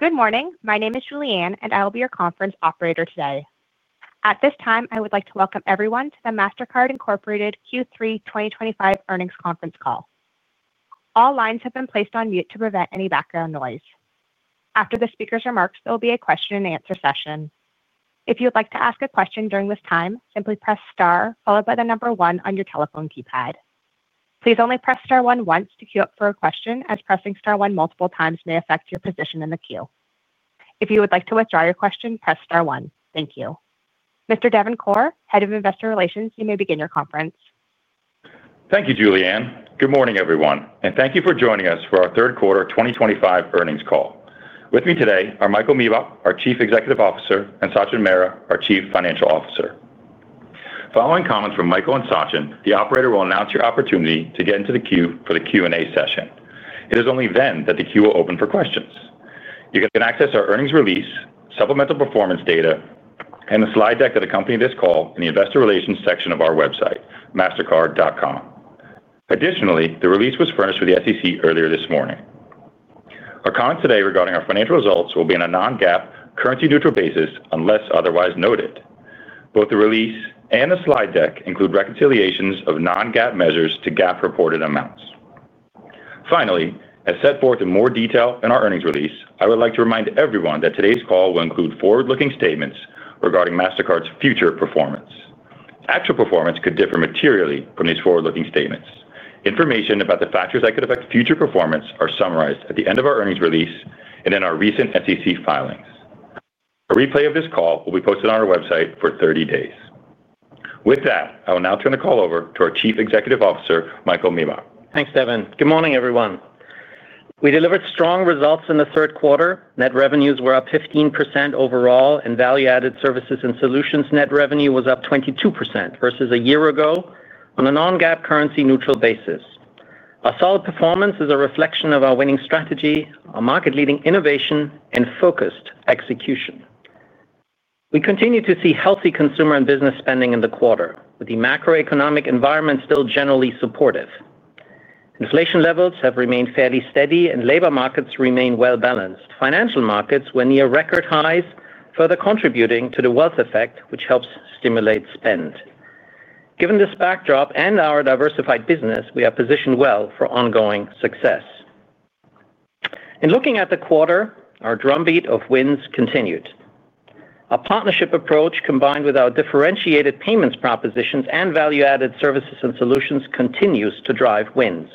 Good morning, my name is Julianne and I will be your conference operator today. At this time I would like to welcome everyone to the Mastercard Incorporated Q3 2025 earnings conference call. All lines have been placed on mute to prevent any background noise. After the speaker's remarks, there will be a question and answer session. If you would like to ask a question during this time, simply press Star followed by the number one on your telephone keypad. Please only press star one once to keep queue up for a question, as pressing star one multiple times may affect your position in the queue. If you would like to withdraw your question, press star one. Thank you, Mr. Devin Corr, Head of Investor Relations. You may begin your conference. Thank you, Julianne. Good morning everyone and thank you for joining us for our third quarter 2025 earnings call. With me today are Michael Miebach, our Chief Executive Officer, and Sachin Mehra, our Chief Financial Officer. Following comments from Michael and Sachin, the operator will announce your opportunity to get into the queue for the Q&A session. It is only then that the queue will open for questions. You can access our earnings release, supplemental performance data, and the slide deck that accompany this call in the Investor Relations section of our website, mastercard.com. Additionally, the release was furnished with the SEC earlier this morning. Our comments today regarding our financial results will be on a non-GAAP currency-neutral basis. Unless otherwise noted, both the release and the slide deck include reconciliations of non-GAAP measures to GAAP reported amounts. Finally, as set forth in more detail in our earnings release, I would like to remind everyone that today's call will include forward-looking statements regarding Mastercard's future performance. Actual performance could differ materially from these forward-looking statements. Information about the factors that could affect future performance are summarized at the end of our earnings release and in our recent SEC filings. A replay of this call will be posted on our website for 30 days. With that, I will now turn the call over to our Chief Executive Officer, Michael Miebach. Thanks Devin. Good morning everyone. We delivered strong results in the third quarter. Net revenues were up 15% overall and Value Added Services and Solutions net revenue was up 22% versus a year ago on a non-GAAP currency-neutral basis. Our solid performance is a reflection of our winning strategy, our market-leading innovation, and focused execution. We continue to see healthy consumer and business spending in the quarter, with the macroeconomic environment still generally supportive. Inflation levels have remained fairly steady and labor markets remain well balanced. Financial markets were near record highs, further contributing to the wealth effect, which helps stimulate spend. Given this backdrop and our diversified business, we are positioned well for ongoing success. In looking at the quarter, our drumbeat of wins continued. Our partnership approach, combined with our differentiated payments propositions and Value Added Services and Solutions, continues to drive wins.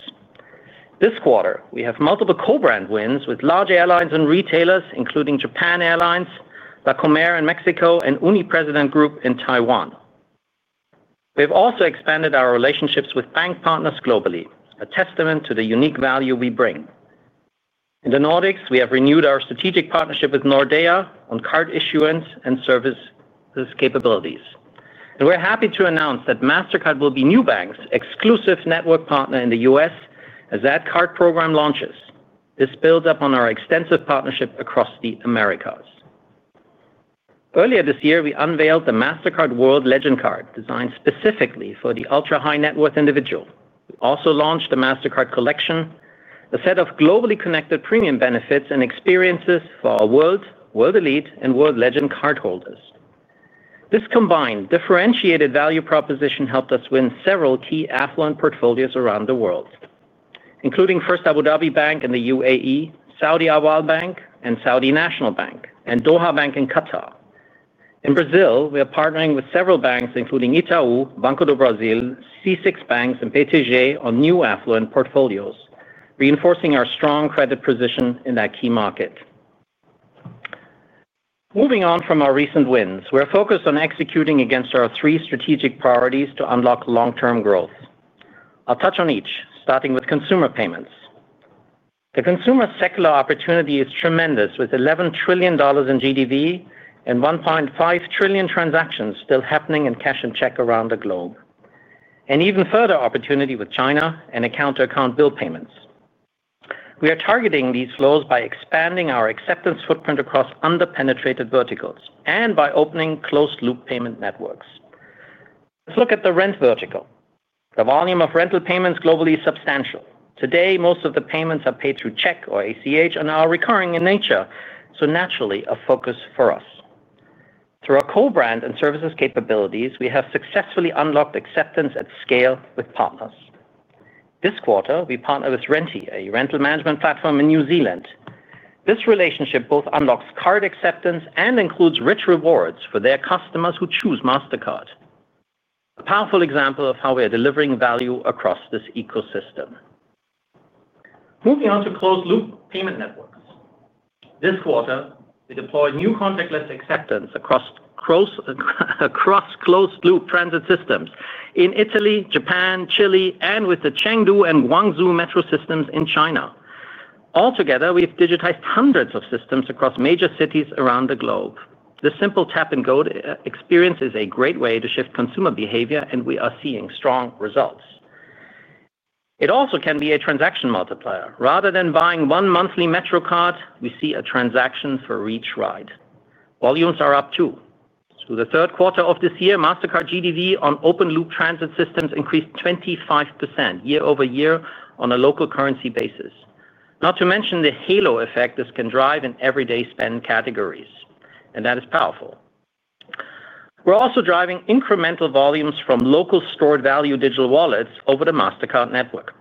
This quarter we have multiple co-brand wins with large airlines and retailers, including Japan Airlines, La Comer in Mexico, and Uni-President Group in Taiwan. We have also expanded our relationships with bank partners globally, a testament to the unique value we bring. In the Nordics, we have renewed our strategic partnership with Nordea on card issuance and service capabilities, and we're happy to announce that Mastercard will be Nubank's exclusive network partner in the U.S. as that card program launches. This builds upon our extensive partnership across the Americas. Earlier this year we unveiled the Mastercard World Legend Card, designed specifically for the ultra high net worth individual. We also launched the Mastercard Collection, a set of globally connected premium benefits and experiences for our World, World Elite, and World Legend cardholders. This combined differentiated value proposition helped us win several key affluent portfolios around the world, including First Abu Dhabi Bank in the UAE, Saudi Awwal Bank, Saudi National Bank, and Doha Bank in Qatar. In Brazil, we are partnering with several banks, including Itaú, Banco do Brasil, C6 Bank, and BTG on new affluent portfolios, reinforcing our strong credit position in that key market. Moving on from our recent wins, we are focused on executing against our three strategic priorities to unlock long-term growth. I'll touch on each, starting with consumer payments. The consumer secular opportunity is tremendous with $11 trillion in GDV and 1.5 trillion transactions still happening in cash and check around the globe, and even further opportunity with China and account to account bill payments. We are targeting these flows by expanding our acceptance footprint across underpenetrated verticals and by opening closed loop payment networks. Look at the rent vertical. The volume of rental payments globally is substantial. Today most of the payments are paid through check or ACH and are recurring in nature, so naturally a focus for us. Through our co-brand and services capabilities, we have successfully unlocked acceptance at scale with partners. This quarter we partnered with Renti, a rental management platform in New Zealand. This relationship both unlocks card acceptance and includes rich rewards for their customers who choose Mastercard, a powerful example of how we are delivering value across this ecosystem. Moving on to closed loop payment networks, this quarter we deployed new contactless acceptance across closed loop transit systems in Italy, Japan, Chile, and with the Chengdu and Guangzhou Metro systems in China. Altogether, we've digitized hundreds of systems across major cities around the globe. The simple Tap and Go experience is a great way to shift consumer behavior, and we are seeing strong results. It also can be a transaction multiplier. Rather than buying one monthly Metro card, we see a transaction for each ride. Volumes are up too. Through the third quarter of this year, Mastercard GDV on open loop transit systems increased 25% year-over-year on a local currency basis. Not to mention the halo effect this can drive in everyday spend categories, and that is powerful. We're also driving incremental volumes from local stored value digital wallets over the Mastercard network.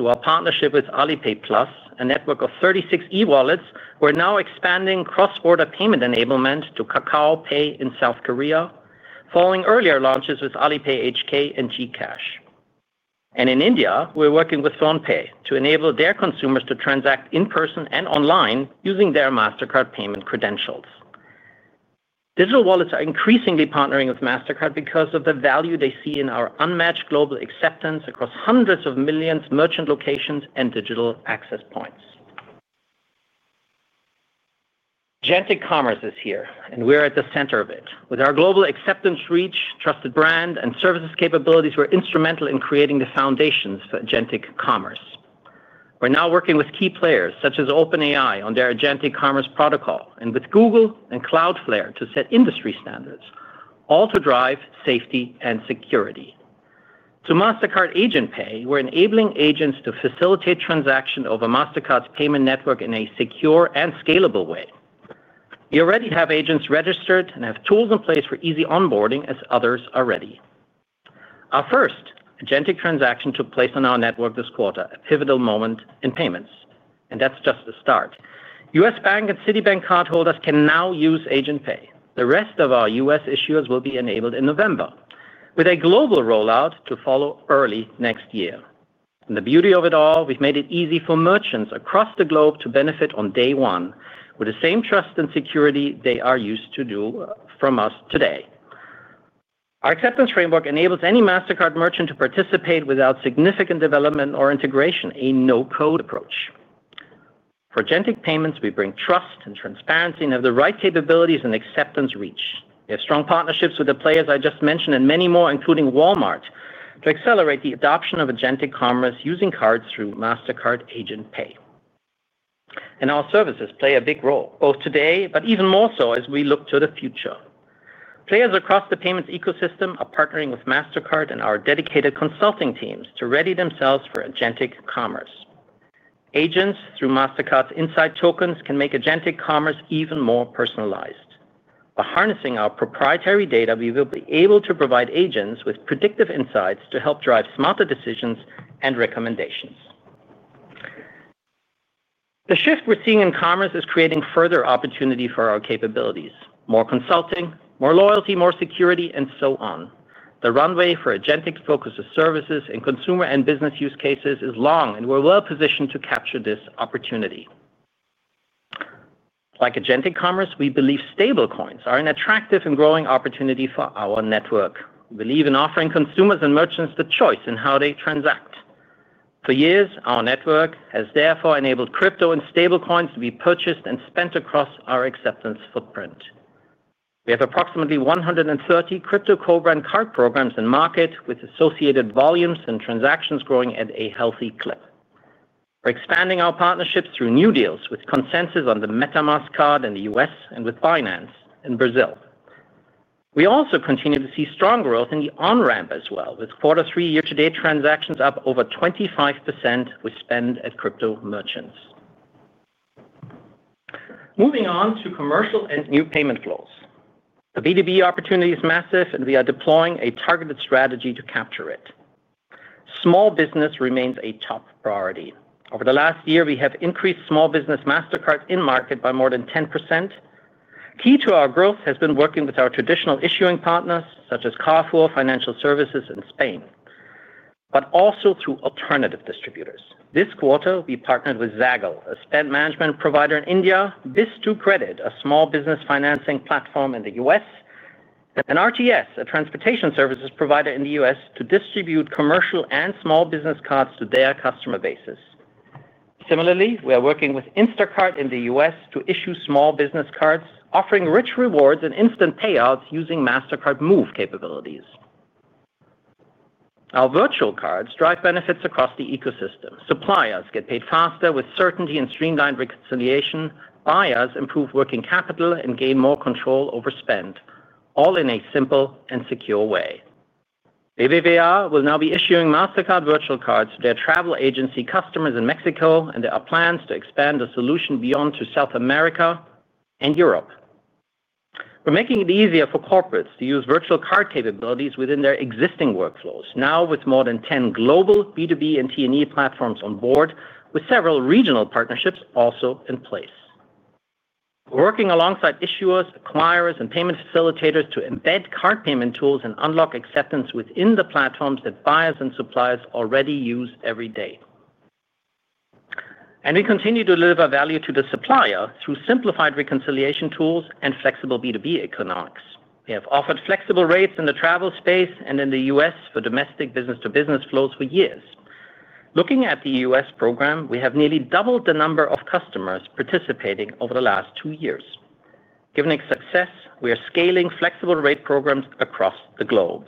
Through our partnership with Alipay+, a network of 36 e-wallets, we're now expanding cross-border payment enablement to Kakao Pay in South Korea following earlier launches with AlipayHK and GCash. In India, we're working with PhonePe to enable their consumers to transact in person and online using their Mastercard payment credentials. Digital wallets are increasingly partnering with Mastercard because of the value they see in our unmatched global acceptance across hundreds of millions of merchant locations and digital access points. Agentic commerce is here and we're at the center of it. With our global acceptance reach, trusted brand, and services capabilities, we're instrumental in creating the foundations for agentic commerce. We're now working with key players such as OpenAI on their agentic commerce protocol and with Google and Cloudflare to set industry standards, all to drive safety and security to Mastercard Agent Pay. We're enabling agents to facilitate transactions over Mastercard's payment network in a secure and scalable way. We already have agents registered and have tools in place for easy onboarding as others are ready. Our first agentic transaction took place on our network this quarter, a pivotal moment in payments. That's just the start. U.S. Bank and Citibank cardholders can now use Agent Pay. The rest of our U.S. issuers will be enabled in November, with a global rollout to follow early next year. The beauty of it all: we've made it easy for merchants across the globe to benefit on day one with the same trust and security they are used to from us today. Our acceptance framework enables any Mastercard merchant to participate without significant development or integration. A no-code approach for agentic payments. We bring trust and transparency and have the right capabilities and acceptance reach. We have strong partnerships with the players I just mentioned and many more, including Walmart, to accelerate the adoption of agentic commerce using cards through Mastercard. Agent Pay and our services play a big role both today, but even more so as we look to the future. Players across the payments ecosystem are partnering with Mastercard and our dedicated consulting teams to ready themselves for agentic cloud commerce. Agents through Mastercard's Insight tokens can make agentic commerce even more personalized. By harnessing our proprietary data, we will be able to provide agents with predictive insights to help drive smarter decisions and recommendations. The shift we're seeing in commerce is creating further opportunity for our capabilities. More consulting, more loyalty, more security, and so on. The runway for agentic-focused services in consumer and business use cases is long, and we're well positioned to capture this opportunity. Like agentic commerce, we believe stablecoins are an attractive and growing opportunity for our network. We believe in offering consumers and merchants the choice in how they transact. For years, our network has therefore enabled crypto and stablecoins to be purchased and spent across our acceptance footprint. We have approximately 130 crypto co-brand card programs in market, with associated volumes and transactions growing at a healthy clip. We're expanding our partnerships through new deals with ConsenSys on the MetaMask card in the U.S. and with Binance in Brazil. We also continue to see strong growth in the on-ramp as well, with Q3 year-to-date transactions up over 25%. With spend at crypto merchants moving on to commercial and new payment flows, the B2B opportunity is massive and we are deploying a targeted strategy to capture it. Small business remains a top priority. Over the last year, we have increased small business Mastercard in market by more than 10%. Key to our growth has been working with our traditional issuing partners such as Carrefour Financial Services in Spain, but also through alternative distributors. This quarter, we partnered with Zaggle, a spend management provider in India, Biz2Credit, a small business financing platform in the U.S., and RTS, a transportation services provider in the U.S., to distribute commercial and small business cards to their customer bases. Similarly, we are working with Instacart in the U.S. to issue small business cards offering rich rewards and instant payouts using Mastercard Move capabilities. Our virtual cards drive benefits across the ecosystem. Suppliers get paid faster with certainty and streamlined reconciliation. Buyers improve working capital and gain more control over spend, all in a simple and secure way. BVVR will now be issuing Mastercard virtual cards to their travel agency customers in Mexico, and there are plans to expand the solution beyond to South America and Europe. We're making it easier for corporates to use virtual card capabilities within their existing workflows, now with more than 10 global B2B and T&E platforms on board, with several regional partnerships also in place, working alongside issuers, acquirers, and payment facilitators to embed card payment tools and unlock acceptance within the platforms that buyers and suppliers already use every day. We continue to deliver value to the supplier through simplified reconciliation tools and flexible B2B economics. We have offered flexible rates in the travel space and in the U.S. for domestic business-to-business flows for years. Looking at the U.S. program, we have nearly doubled the number of customers participating over the last two years. Given its success, we are scaling flexible rate programs across the globe.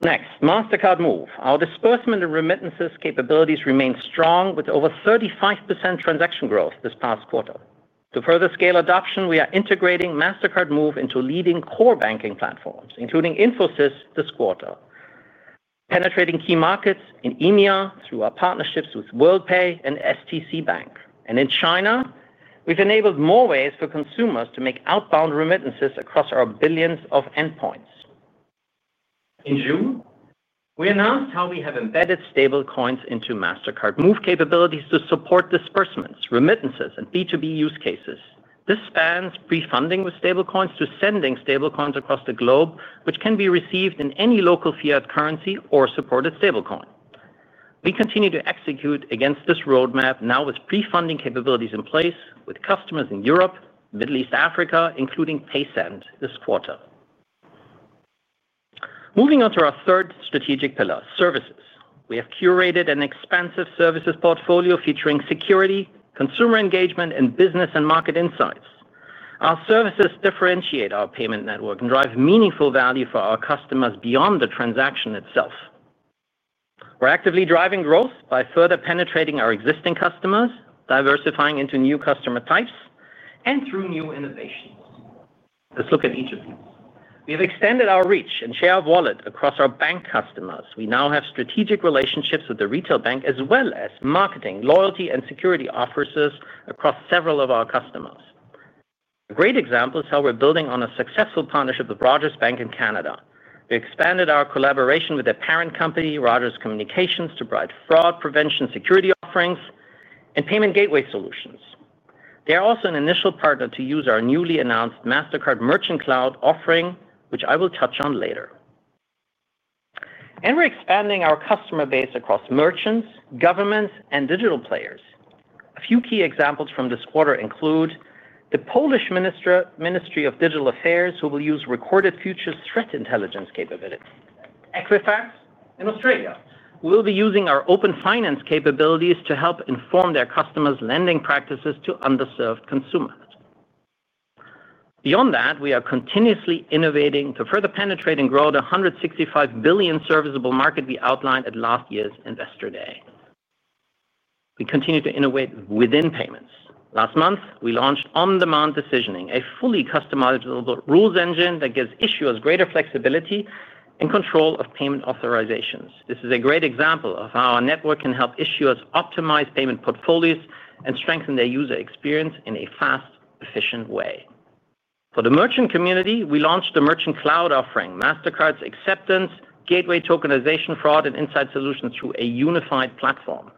Next, Mastercard Move. Our disbursement and remittances capabilities remain strong with over 35% transaction growth this past quarter. To further scale adoption, we are integrating Mastercard Move into leading core banking platforms including Infosys this quarter, penetrating key markets in EMEA through our partnerships with Worldpay and STC Bank. In China, we've enabled more ways for consumers to make outbound remittances across our billions of endpoints. In June, we announced how we have embedded stablecoins into Mastercard Move capabilities to support disbursements, remittances, and B2B use cases. This spans pre-funding with stablecoins to sending stablecoins across the globe, which can be received in any local fiat currency or supported stablecoin. We continue to execute against this roadmap, now with pre-funding capabilities in place with customers in Europe, Middle East, and Africa, including Paysend this quarter. Moving on to our third strategic pillar, Services, we have curated an expansive services portfolio featuring security, consumer engagement, and business and market insights. Our services differentiate our payment network and drive meaningful value for our customers. Beyond the transaction itself, we're actively driving growth by further penetrating our existing customers, diversifying into new customer types, and through new innovations. Let's look at each of these. We have extended our reach and share of wallet across our bank customers. We now have strategic relationships with the retail bank as well as marketing, loyalty, and security offices across several of our customers. A great example is how we're building on a successful partnership with Rogers Bank in Canada. We expanded our collaboration with their parent company, Rogers Communications, to bring franchise fraud prevention security offerings and payment gateway solutions. They are also an initial partner to use our newly announced Mastercard Merchant Cloud offering, which I will touch on later. We're expanding our customer base across merchants, governments, and digital players. A few key examples from this quarter include the Polish Ministry of Digital Affairs, who will use Recorded Future's Threat Intelligence capabilities. Equifax in Australia will be using our open finance capabilities to help inform their customers' lending practices to underserved consumers. Beyond that, we are continuously innovating to further penetrate and grow the $165 billion serviceable market we outlined at last year's Investor Day. We continue to innovate within payments. Last month we launched On Demand Decisioning, a fully customizable rules engine that gives issuers greater flexibility and control of payment authorizations. This is a great example of how our network can help issuers optimize payment portfolios and strengthen their user experience in a fast, efficient way. For the merchant community, we launched the Mastercard Merchant Cloud offering Mastercard's acceptance gateway, tokenization, fraud, and insight solutions through a unified platform.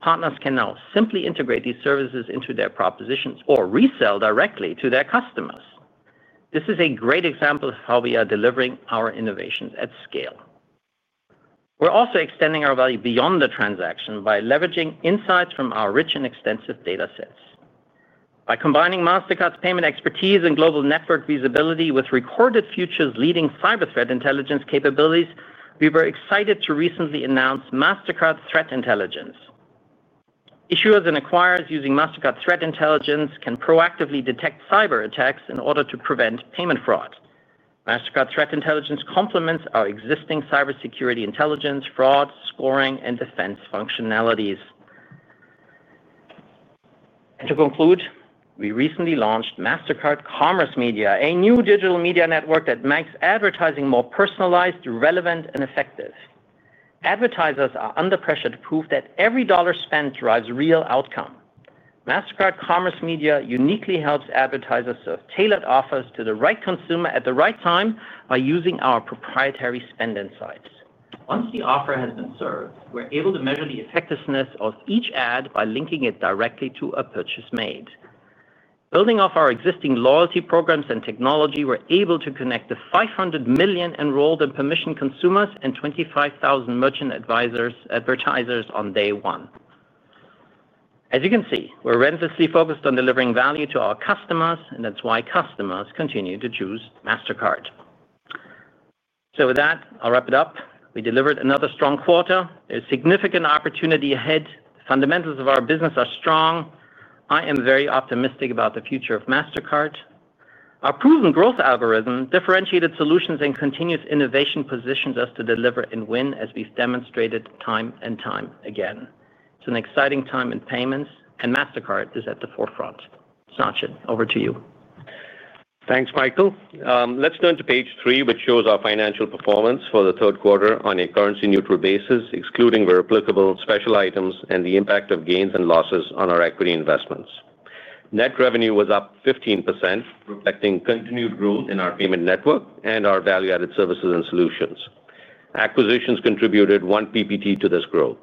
Partners can now simply integrate these services into their propositions or resell directly to their customers. This is a great example of how we are delivering our innovations at scale. We're also extending our value beyond the transaction by leveraging insights from our rich and extensive data sets. By combining Mastercard's payment expertise and global network visibility with Recorded Future's leading cyber threat intelligence capabilities, we were excited to recently announce Mastercard Threat Intelligence. Issuers and acquirers using Mastercard Threat Intelligence can proactively detect cyber attacks in order to prevent payment fraud. Mastercard Threat Intelligence complements our existing cybersecurity, intelligence, fraud, scoring, and defense functionalities. To conclude, we recently launched Mastercard Commerce Media, a new digital media network that makes advertising more personalized, relevant, and effective. Advertisers are under pressure to prove that every dollar spent drives real outcome. Mastercard Commerce Media uniquely helps advertisers serve tailored offers to the right consumer at the right time by using our proprietary Spend Insights. Once the offer has been served, we're able to measure the effectiveness of each ad by linking it directly to a purchase made. Building off our existing loyalty programs and technology, we're able to connect the 500 million enrolled and permissioned consumers and 25,000 merchant advertisers on day one. As you can see, we're relentlessly focused on delivering value to our customers and that's why customers continue to choose Mastercard. With that, I'll wrap it up. We delivered another strong quarter. There's significant opportunity ahead. Fundamentals of our business are strong. I am very optimistic about the future of Mastercard. Our proven growth algorithm, differentiated solutions, and continuous innovation positions us to deliver and win, as we've demonstrated time and time again. It's an exciting time in payments, and Mastercard is at the forefront. Sachin, over to you. Thanks Michael. Let's turn to Page 3, which shows our financial performance for the third quarter on a currency-neutral basis, excluding, where applicable, special items and the impact of gains and losses on our equity investments. Net revenue was up 15%, reflecting continued growth in our payment network and our Value Added Services and Solutions. Acquisitions contributed 1 ppt to this growth.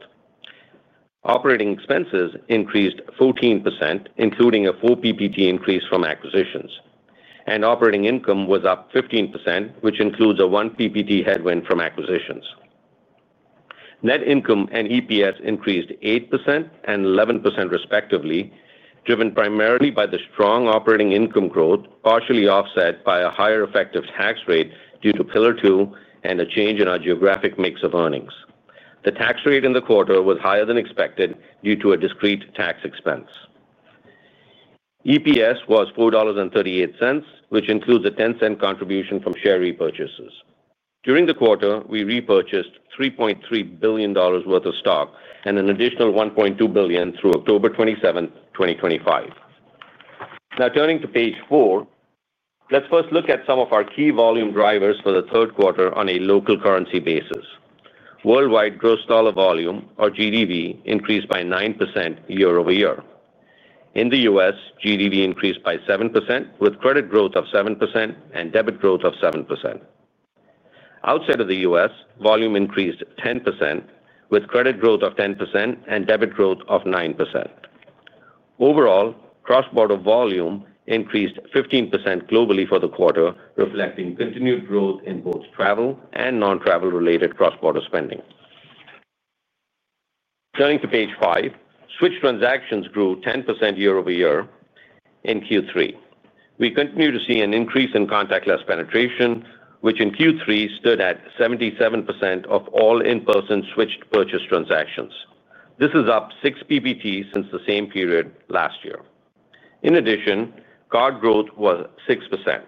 Operating expenses increased 14%, including 4 ppt increase from acquisitions, and operating income was up 15%, which includes a 1 ppt headwind from acquisitions. Net income and EPS increased 8% and 11%, respectively, driven primarily by the strong operating income growth, partially offset by a higher effective tax rate due to pillar two and a change in our geographic mix of earnings. The tax rate in the quarter was higher than expected due to a discrete tax expense. EPS was $4.38, which includes a $0.10 contribution from share repurchases. During the quarter, we repurchased $3.3 billion worth of stock and an additional $1.2 billion through October 27, 2025. Now turning to Page 4, let's first look at some of our key volume drivers for the third quarter on a local currency basis. Worldwide gross dollar volume, or GDV, increased by 9% year-over-year. In the U.S., GDV increased by 7%, with credit growth of 7% and debit growth of 7%. Outside of the U.S., volume increased 10%, with credit growth of 10% and debit growth of 9%. Overall, cross-border volume increased 15% globally for the quarter, reflecting continued growth in both travel and non-travel related cross-border spending. Turning to Page 5, switch transactions grew 10% year-over-year in Q3. We continue to see an increase in contactless penetration, which in Q3 stood at 77% of all in-person switched purchase transactions. This is up 6 ppt since the same period last year. In addition, card growth was 6%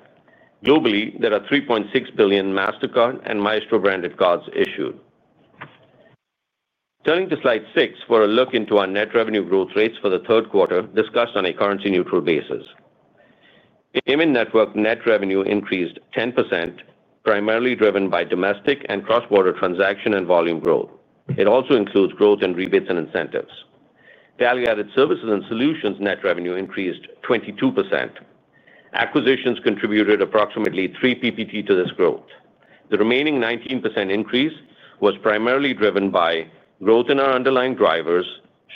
globally. There are 3.6 billion Mastercard and Maestro branded cards issued. Turning to Slide 6 for a look into our net revenue growth rates for the third quarter, discussed on a currency-neutral basis, payment network net revenue increased 10%, primarily driven by domestic and cross-border transaction and volume growth. It also includes growth in rebates and incentives, Value Added Services and Solutions. Net revenue increased 22%. Acquisitions contributed approximately 3 ppt to this growth. The remaining 19% increase was primarily driven by growth in our underlying drivers,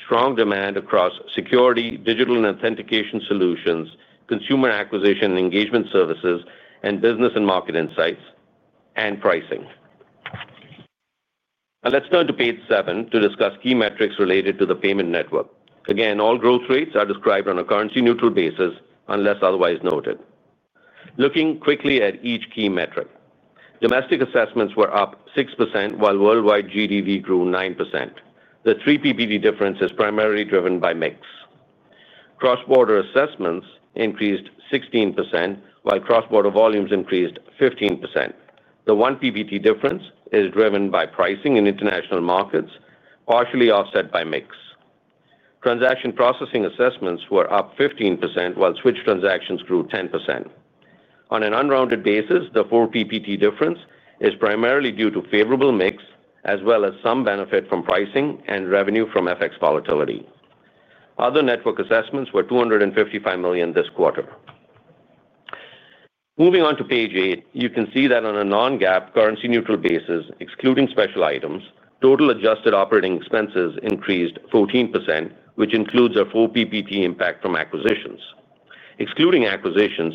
strong demand across security, digital and authentication solutions, consumer acquisition engagement services, and business and market insights and pricing. Now let's turn to page seven to discuss key metrics related to the payment network. Again, all growth rates are described on a currency-neutral basis unless otherwise noted. Looking quickly at each key metric, domestic assessments were up 6% while worldwide GDV grew 9%. The 3 ppt difference is primarily driven by mix. Cross-border assessments increased 16% while cross-border volumes increased 15%. The 1 ppt difference is driven by pricing in international markets, partially offset by mix. Transaction processing assessments were up 15% while switch transactions grew 10% on an unrounded basis. The 4 ppt difference is primarily due to favorable mix as well as some benefit from pricing and revenue from FX volatility. Other network assessments were $255 million this quarter. Moving on to page eight, you can see that on a non-GAAP currency-neutral basis excluding special items, total adjusted operating expenses increased 14%, which includes our full ppt impact from acquisitions. Excluding acquisitions,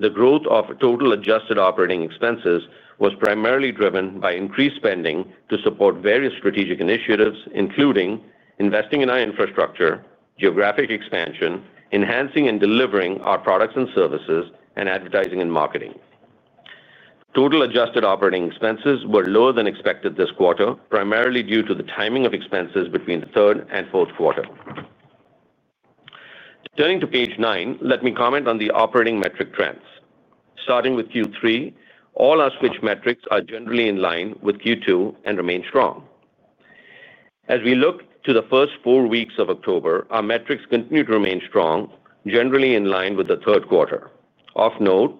the growth of total adjusted operating expenses was primarily driven by increased spending to support various strategic initiatives including investing in our infrastructure, geographic expansion, enhancing and delivering our products and services, and advertising and marketing. Total adjusted operating expenses were lower than expected this quarter, primarily due to the timing of expenses between the third and fourth quarter. Turning to page nine, let me comment on the operating metric trends starting with Q3. All our switch metrics are generally in line with Q2 and remain strong. As we look to the first four weeks of October, our metrics continue to remain strong, generally in line with the third quarter. Of note,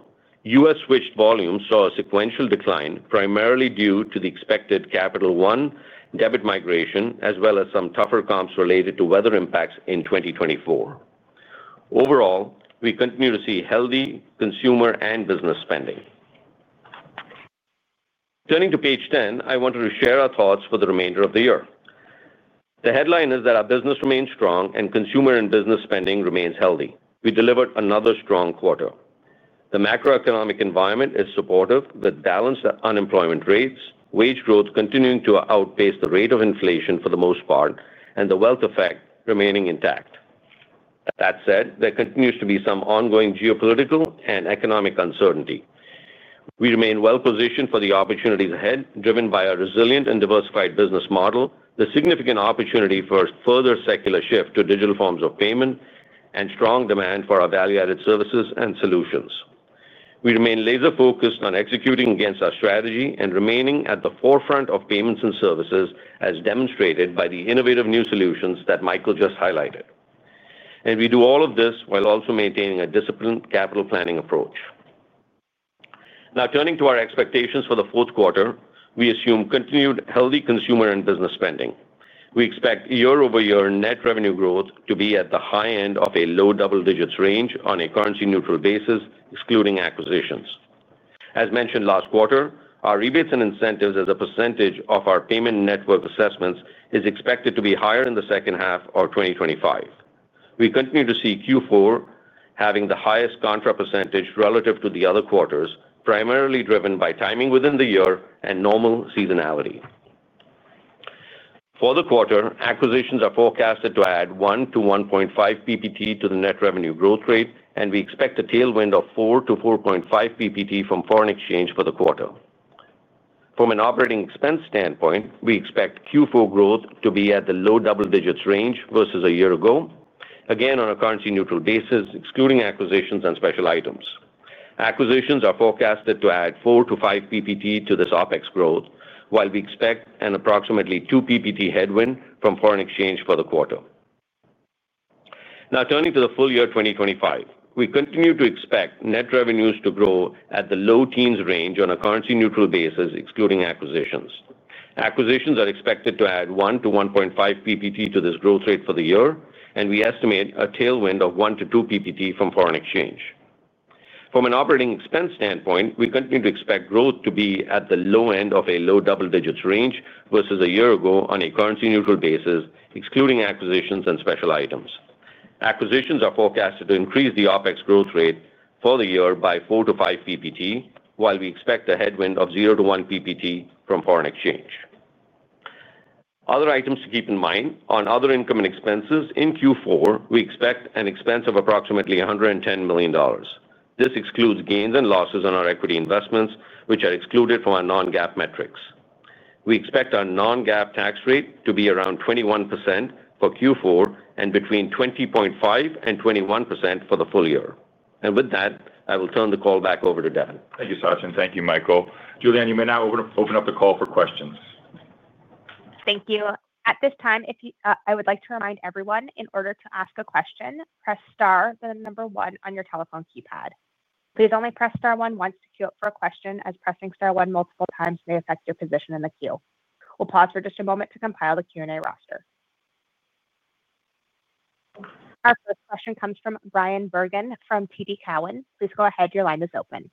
U.S. switched volumes saw a sequential decline, primarily due to the expected Capital One debit migration as well as some tougher comps related to weather impacts in 2024. Overall, we continue to see healthy consumer and business spending. Turning to page ten, I wanted to share our thoughts for the remainder of the year. The headline is that our business remains strong and consumer and business spending remains healthy. We delivered another strong quarter. The macro-economic environment is supportive with balanced unemployment rates, wage growth continuing to outpace the rate of inflation for the most part, and the wealth effect remaining intact. That said, there continues to be some ongoing geopolitical and economic uncertainty. We remain well positioned for the opportunities ahead, driven by a resilient and diversified business model, the significant opportunity for further secular shift to digital forms of payment, and strong demand for our Value Added Services and Solutions. We remain laser focused on executing against our strategy and remaining at the forefront of payments and services as demonstrated by the innovative new solutions that Michael just highlighted. We do all of this while also maintaining a disciplined capital planning approach. Now turning to our expectations for the fourth quarter, we assume continued healthy consumer and business spending. We expect year-over-year net revenue growth to be at the high end of a low double digits range on a currency-neutral basis excluding acquisitions. As mentioned last quarter, our rebates and incentives as a % of our payment network assessments is expected to be higher in the second half of 2025. We continue to see Q4 having the highest contra % relative to the other quarters, primarily driven by timing within the year and normal seasonality for the quarter. Acquisitions are forecasted to add 1%-1.5 ppt to the net revenue growth rate and we expect a tailwind of 4-4.5 ppt from foreign exchange for the quarter. From an operating expense standpoint, we expect Q4 growth to be at the low double digits range versus a year ago, again on a currency-neutral basis excluding acquisitions and special items. Acquisitions are forecasted to add 4-5 ppt to this OpEx growth, while we expect an approximately 2 ppt headwind from foreign exchange for the quarter. Now turning to the full year 2025, we continue to expect net revenues to grow at the low teens range on a currency-neutral basis excluding acquisitions. Acquisitions are expected to add 1-1.5 ppt to this growth rate for the year and we estimate a tailwind of 1-2 ppt from foreign exchange. From an operating expense standpoint, we continue to expect growth to be at the low end of a low double-digits range versus a year ago on a currency-neutral basis excluding acquisitions and special items. Acquisitions are forecasted to increase the OpEx growth rate for the year by 4-5 ppt, while we expect a headwind of 0-1 ppt from foreign exchange. Other items to keep in mind on other income and expenses in Q4, we expect an expense of approximately $110 million. This excludes gains and losses on our equity investments, which are excluded from our non-GAAP metrics. We expect our non-GAAP tax rate to be around 21% for Q4 and between 20.5% and 21% for the full year. With that, I will turn the call back over to Devin. Thank you, Sachin. Thank you, Michael. Julian. You may now open up the call for questions. Thank you. At this time, I would like to remind everyone, in order to ask a question, press star, then the number one on your telephone keypad. Please. Only press star one once to queue up for a question, as pressing star one multiple times may affect your position in the queue. We'll pause for just a moment to compile the Q&A roster. Our first question comes from Bryan Bergin from TD Cowen. Please go ahead. Your line is open.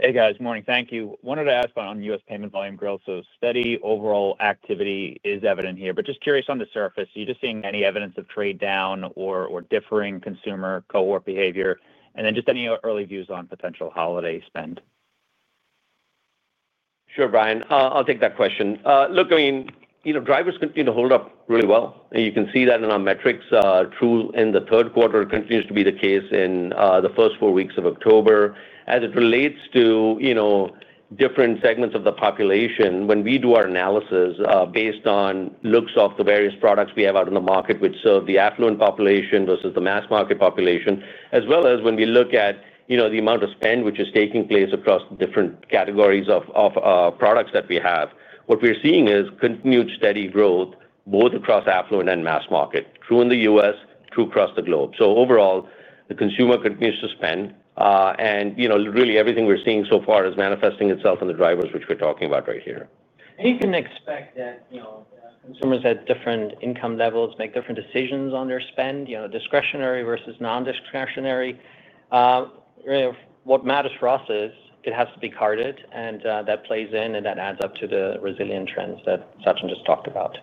Hey guys. Morning. Thank you. Wanted to ask on U.S. payment volume growth. Steady overall activity is evident here, just curious. On the surface, you're just seeing any. Evidence of trade down or differing consumer cohort behavior, and then just any early. Views on potential holiday spend? Sure, Bryan, I'll take that question. Look, I mean, drivers continue to hold up really well. You can see that in our metrics, true in the third quarter, continues to be the case in the first four weeks of October as it relates to different segments of the population. When we do our analysis based on looks of the various products we have out in the market which serve the affluent population versus the mass market population, as well as when we look at the amount of spend which is taking place across different categories of products that we have, what we're seeing is continued steady growth both across affluent and mass market in the U.S. and across the globe. Overall, the consumer continues to spend and everything we're seeing so far is manifesting itself in the drivers which we're talking about right here. You can expect that consumers at different income levels make different decisions on their spend, discretionary versus non-discretionary. What matters for us is it has to be carded, and that plays in and that adds up to the resilient trends that Sachin just talked about.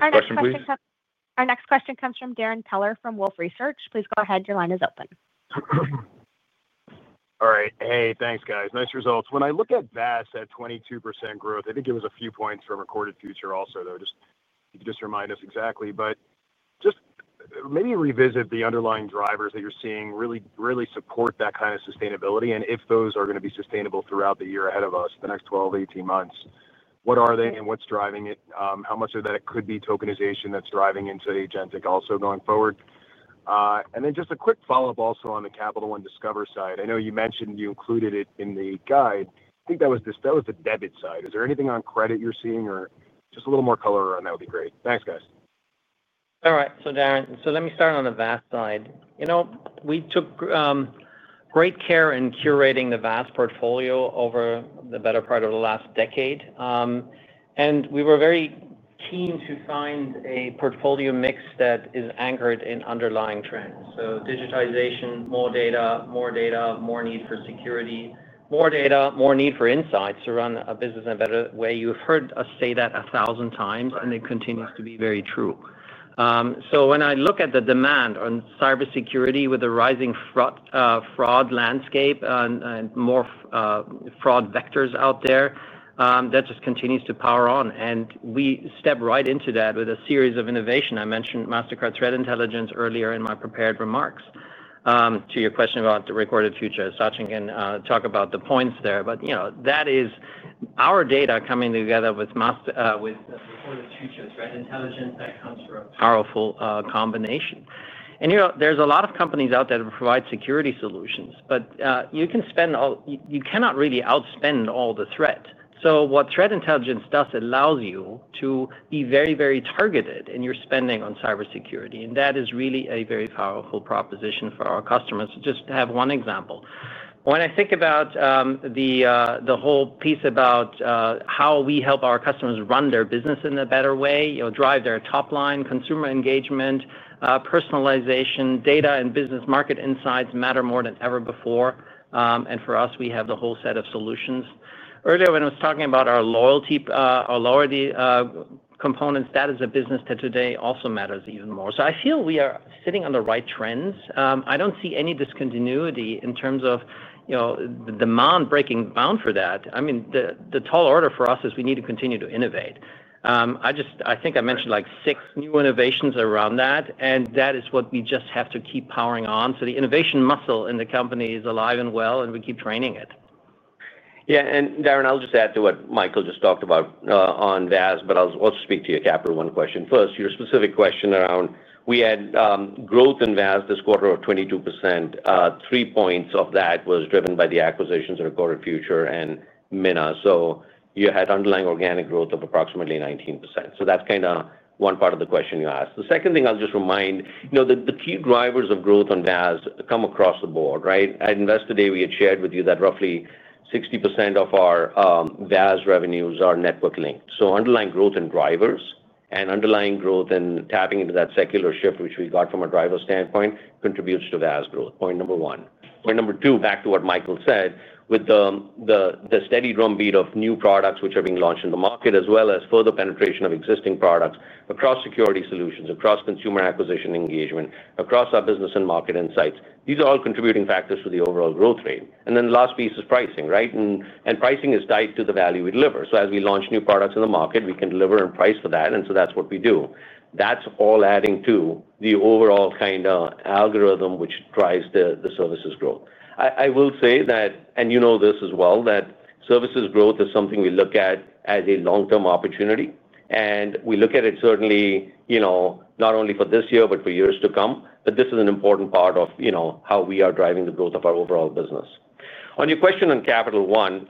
Our next question comes from Darrin Peller from Wolfe Research. Please go ahead. Your line is open. All right. Hey, thanks guys. Nice results. When I look at VAS at 22% growth, I think it was a few points from Recorded Future. Also, though, you can just remind us exactly, but maybe revisit the underlying drivers that you're seeing. Really, really support that kind of sustainability. If those are going to be sustainable throughout the year ahead of us, the next 12-18 months, what are they and what's driving it? How much of that it could be? Tokenization that's driving into agentic commerce also going forward. Just a quick follow up. Also on the Capital One, Discover side. I know you mentioned you included it in the guide. I think that was this, that was the debit side. Is there anything on credit you're seeing? Or just a little more color. That would be great. Thanks guys. All right, so Darrin, let me start on the VAS side. You know, we took great care in curating the VAS portfolio over the better part of the last decade. We were very keen to find a portfolio mix that is anchored in underlying trends. Digitization, more data, more data, more need for security, more data, more need for insights to run a business in a better way. You've heard us say that a thousand times and it continues to be very true. When I look at the demand on cybersecurity, with the rising fraud landscape and more fraud vectors out there, that just continues to power on and we step right into that with a series of innovation. I mentioned Mastercard Threat Intelligence earlier in my prepared remarks to your question about Recorded Future. Sachin can talk about the points there, but you know that is our data coming together with intelligence that comes from powerful combination. There are a lot of companies out there that provide security solutions but you cannot really outspend all the threat. What Threat Intelligence does is allow you to be very, very targeted in your spending on cybersecurity. That is really a very powerful proposition for our customers. Just to have one example, when I think about the whole piece about how we help our customers run their business in a better way, drive their top line consumer engagement, personalization data and business market insights matter more than ever before. For us, we have the whole set of solutions. Earlier when I was talking about our loyalty components, that is a business that today also matters even more. I feel we are sitting on the right trends. I don't see any discontinuity in terms of the demand breaking bound for that. I mean the tall order for us is we need to continue to innovate. I think I mentioned like six new innovations around that and that is what we just have to keep powering on. The innovation muscle in the company is alive and well and we keep training it. Yeah. Darrin, I'll just add to what Michael just talked about on VAS, but I'll speak to your Capital One question first. Your specific question around we had growth in VAS this quarter of 22%. Three points of that was driven by the acquisitions of Corporate Future and Minna. So you had underlying organic growth of approximately 19%. That's kind of one part of the question you asked. The second thing, I'll just remind the key drivers of growth on VAS come across the board. At Investor Day we had shared with you that roughly 60% of our VAS revenues are network linked. So underlying growth in drivers and underlying growth and tapping into that secular shift which we got from a driver standpoint contributes to VAS growth, point number one. Point number two, back to what Michael said, with the steady drumbeat of new products which are being launched in the market, as well as further penetration of existing products across security solutions, across consumer acquisition, engagement across our business and market insights, these are all contributing factors to the overall growth rate. The last piece is pricing, right? Pricing is tied to the value we deliver. As we launch new products in the market, we can deliver and price for that, and that's what we do. That's all adding to the overall kind of algorithm which drives the services growth. I will say that, and you know this as well, that services growth is something we look at as a long-term opportunity. We look at it certainly, you know, not only for this year, but for years to come. This is an important part of how we are driving the growth of our overall business. On your question on Capital One,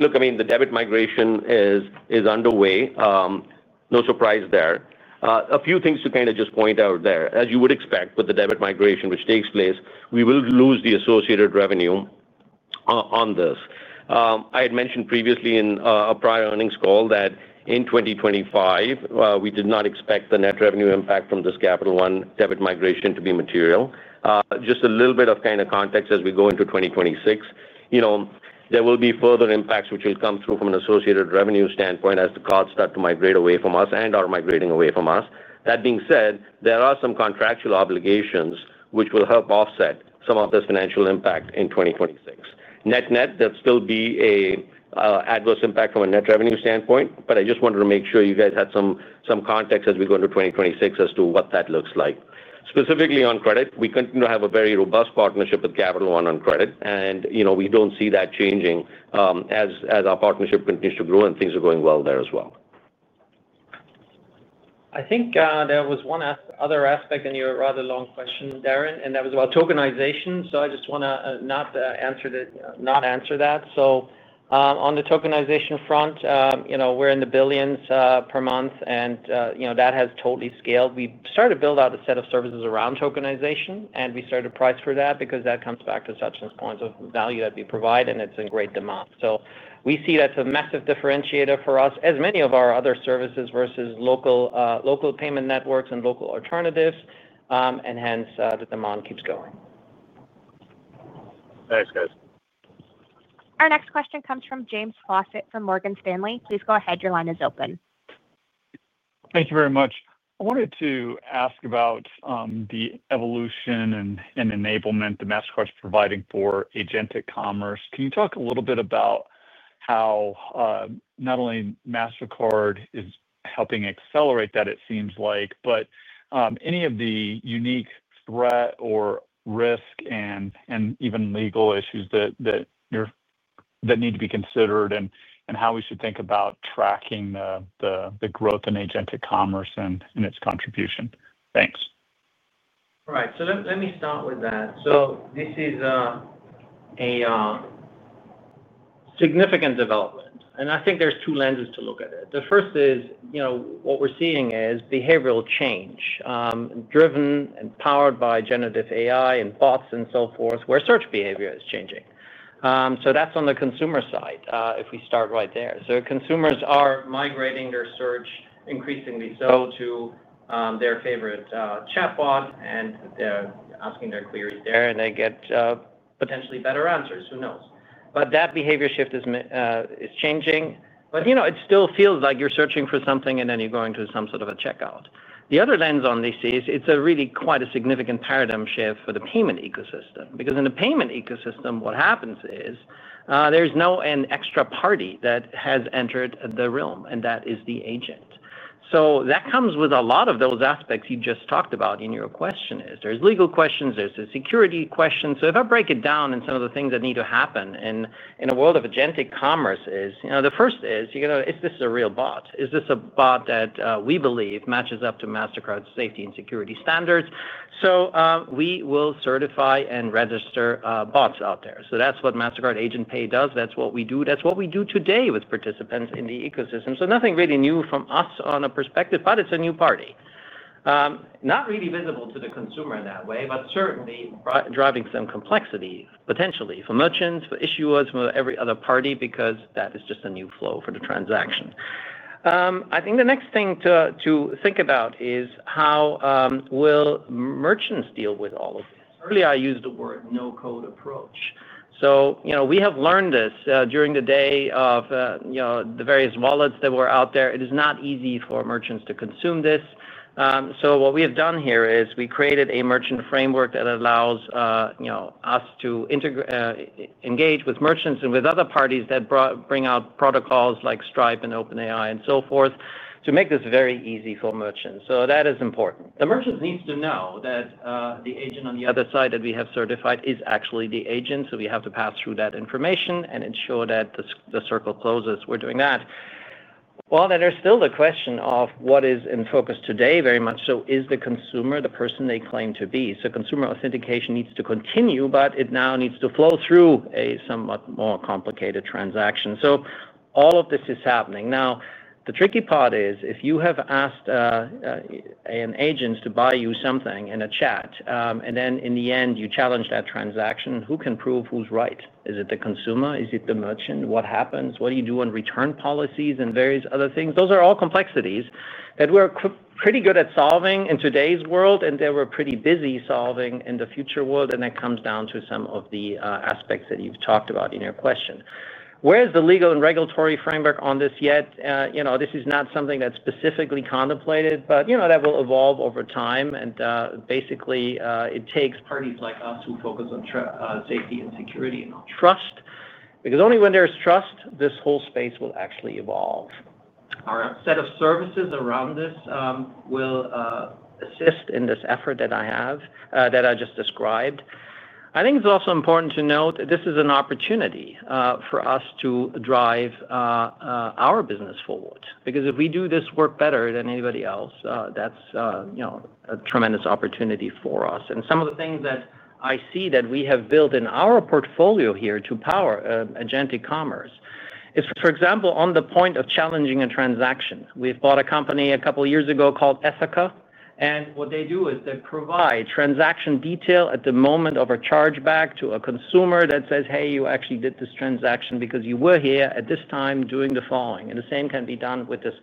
look, I mean the debit migration is underway. No surprise there. A few things to kind of just point out there. As you would expect, with the debit migration which takes place, we will lose the associated revenue on this. I had mentioned previously in a prior earnings call that in 2025 we did not expect the net revenue impact from this Capital One debit migration to be material. Just a little bit of kind of context as we go into 2026, there will be further impacts which will come through from an associated revenue standpoint as the cards start to migrate away from us and are migrating away from us. That being said, there are some contractual obligations which will help offset some of this financial impact in 2026. Net net, there will still be an adverse impact from a net revenue standpoint. I just wanted to make sure you guys had some context as we go into 2026 as to what that looks like. Specifically on credit, we continue to have a very robust partnership with Capital One on credit. We don't see that changing as our partnership continues to grow and things are going well there as well. I think there was one other aspect in your rather long question, Darrin, and that was about tokenization. I just want to answer that. On the tokenization front, we're in the billions per month and that has totally scaled. We started to build out a set of services around tokenization and we started to price for that because that comes back to substantive points of value that we provide and it's in great demand. We see that's a massive differentiator for us as many of our other services versus local payment networks and local alternatives. Hence, the demand keeps going. Thanks guys. Our next question comes from James Faucette from Morgan Stanley. Please go ahead. Your line is open. Thank you very much. I wanted to ask about the evolution and enablement that Mastercard's providing for agentic commerce. Can you talk a little bit about how not only Mastercard is helping accelerate that, it seems like, but any of the unique threat or risk and even legal issues that need to be considered and how we should think about tracking the growth in agentic commerce and its contribution. Thanks. Right, let me start with that. This is a significant development and I think there's two lenses to look at it. The first is, you know, what we're seeing is behavioral change driven and powered by generative AI and bots and so forth, where search behavior is changing. That's on the consumer side if we start right there. Consumers are migrating their search increasingly to their favorite chatbot and they're asking their queries there and they get potentially better answers. Who knows. That behavior shift is changing. It still feels like you're searching for something and then you're going to some sort of a checkout. The other lens on this is it's really quite a significant paradigm shift for the payment ecosystem because in the payment ecosystem what happens is there's now an extra party that has entered the realm and that is the agent. That comes with a lot of those aspects you just talked about in your question. There are legal questions, there's a security question. If I break it down, some of the things that need to happen in a world of agentic commerce is the first is you can, is this a real bot? Is this a bot that we believe matches up to Mastercard safety and security standards? We will certify and register bots out there. That's what Mastercard Agent Pay does. That's what we do. That's what we do today with participants in the ecosystem. Nothing really new from us on a perspective, but it's a new party, not really visible to the consumer in that way, but certainly driving some complexity potentially for merchants, for issuers, for every other party, because that is just a new flow for the transaction. I think the next thing to think about is how will merchants deal with all of this. Earlier I used the word no code approach. We have learned this during the day of the various wallets that were out there. It is not easy for merchants to consume this. What we have done here is we created a merchant framework that allows us to engage with merchants and with other parties that bring out protocols like Stripe and OpenAI and so forth to make this very easy for merchants. That is important. The merchant needs to know that the agent on the other side that we have certified is actually the agent. We have to pass through that information and ensure that the circle closes. We're doing that. There is still the question of what is in focus today. Very much so. Is the consumer the person they claim to be? Consumer authentication needs to continue, but it now needs to flow through a somewhat more complicated transaction. All of this is happening now. The tricky part is if you have asked an agent to buy you something in a chat, and then in the end you challenge that transaction, who can prove who's right? Is it the consumer? Is it the merchant? What happens? What do you do on return policies? And various other things. Those are all complexities that we're pretty good at solving in today's world, and they were pretty busy solving in the future world. That comes down to some of the aspects that you've talked about in your question. Where's the legal and regulatory framework on this yet? This is not something that's specifically contemplated, but that will evolve over time. Basically, it takes parties like us who focus on safety and security and trust, because only when there's trust, this whole space will actually evolve. Our set of services around this will assist in this effort that I have that I just described. I think it's also important to note this is an opportunity for us to drive our business forward, because if we do this work better than anybody else, that's a tremendous opportunity for us. Some of the things that I see that we have built in our portfolio here to power agentic commerce is, for example, on the point of challenging a transaction, we've bought a company a couple years ago called Ethoca. What they do is they provide transaction detail at the moment of a chargeback to a consumer that says, hey, you actually did this transaction because you were here at this time doing the following. The same can be done with this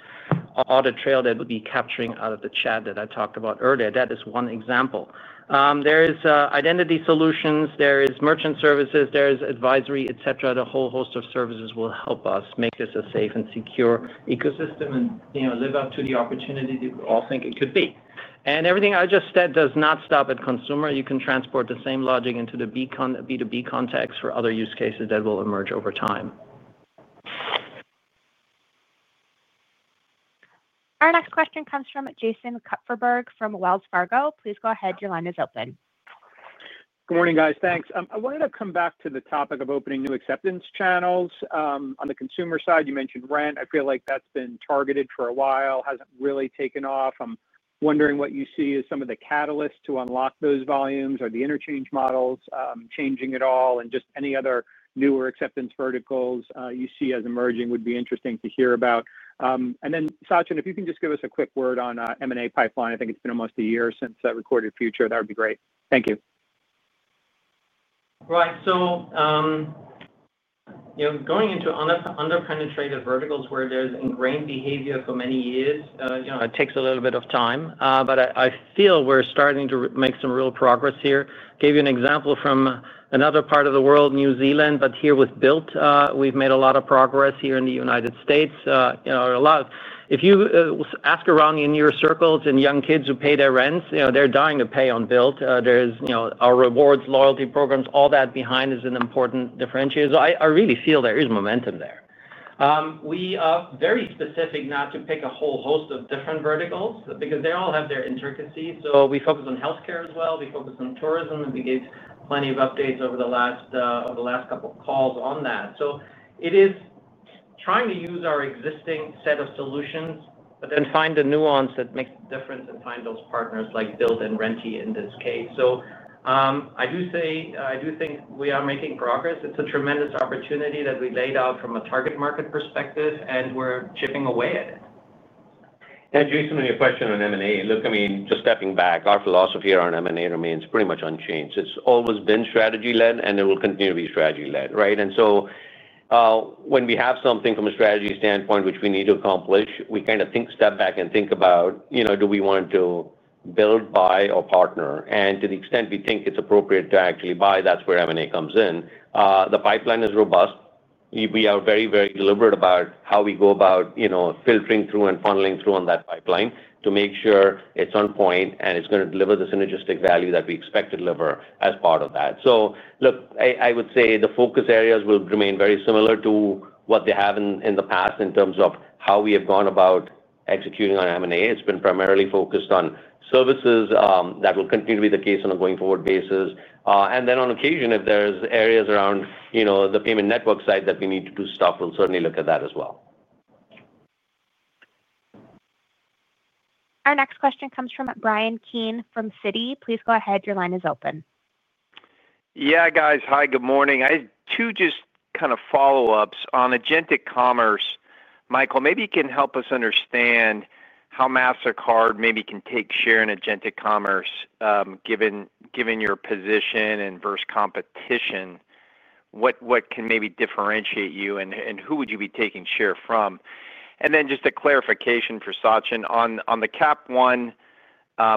audit trail that we'll be capturing out of the chat that I talked about earlier. That is one example. There is identity solutions, there is merchant services, there is advisory, etc. The whole host of services will help us make this a safe and secure ecosystem and live up to the opportunity that we all think it could be. Everything I just said does not stop at consumer. You can transport the same logic into the B2B context for other use cases that will emerge over time. Our next question comes from Jason Kupferberg from Wells Fargo. Please go ahead. Your line is open. Good morning, guys. Thanks. I wanted to come back to the topic of opening new acceptance channels on the consumer side, you mentioned rent, I feel like that's been targeted for a while, hasn't really taken off. I'm wondering what you see as some of the catalysts to unlock those volumes or the interchange models changing at all, and just any other newer acceptance verticals you see as emerging would be interesting to hear about. Sachin, if you can just give us a quick word on M&A pipeline. I think it's been almost a year since that Recorded Future. That would be great. Thank you. Right, so you know, going into underpenetrated verticals where there's ingrained behavior for many years, it takes a little bit of time. I feel we're starting to make some real progress here. Gave you an example from another part of the world, New Zealand, but here with Bilt, we've made a lot of progress here in the United States, a lot if you ask around, run in your circles. Young kids who pay their rents, they're dying to pay on Bilt, there's our rewards, loyalty programs, all that behind is an important differentiator. I really feel there is momentum there. We are very specific not to pick a whole host of different verticals because they all have their intricacies. We focus on health care as well, we focus on tourism, and we gave plenty of updates over the last couple of calls on that. It is trying to use our existing set of solutions, then find a nuance that makes difference and find those partners like Bilt and Renti in this case. I do think we are making progress. It's a tremendous opportunity that we laid out from a target market perspective and we're chipping away at it. Jason, on your question on M&A, look, I mean, just stepping back, our philosophy around M&A remains pretty much unchanged. It's always been straight strategy led and it will continue to be strategy led. Right. When we have something from a strategy standpoint, which we need to accomplish, we kind of think, step back and think about, you know, do we want to build, buy, or partner. To the extent we think it's appropriate to actually buy, that's where M&A comes in. The pipeline is robust. We are very, very deliberate about how we go about filtering through and funneling through on that pipeline to make sure it's on point and it's going to deliver the synergistic value that we expect to deliver as part of that. I would say the focus areas will remain very similar to what they have in the past in terms of how we have gone about executing on M&A. It's been primarily focused on services; that will continue to be the case on a going forward basis. On occasion, if there's areas around, you know, the payment network side that we need to do stuff, we'll certainly look at that as well. Our next question comes from Bryan Keane from Citi. Please go ahead. Your line is open. Yeah, guys. Hi, good morning. I have two just kind of follow ups on agentic commerce. Michael, maybe you can help us understand how Mastercard maybe can take share in agentic commerce. Given your position and versus competition, what can maybe differentiate you and who would. You be taking share from? Just a clarification for Sachin on the CapOne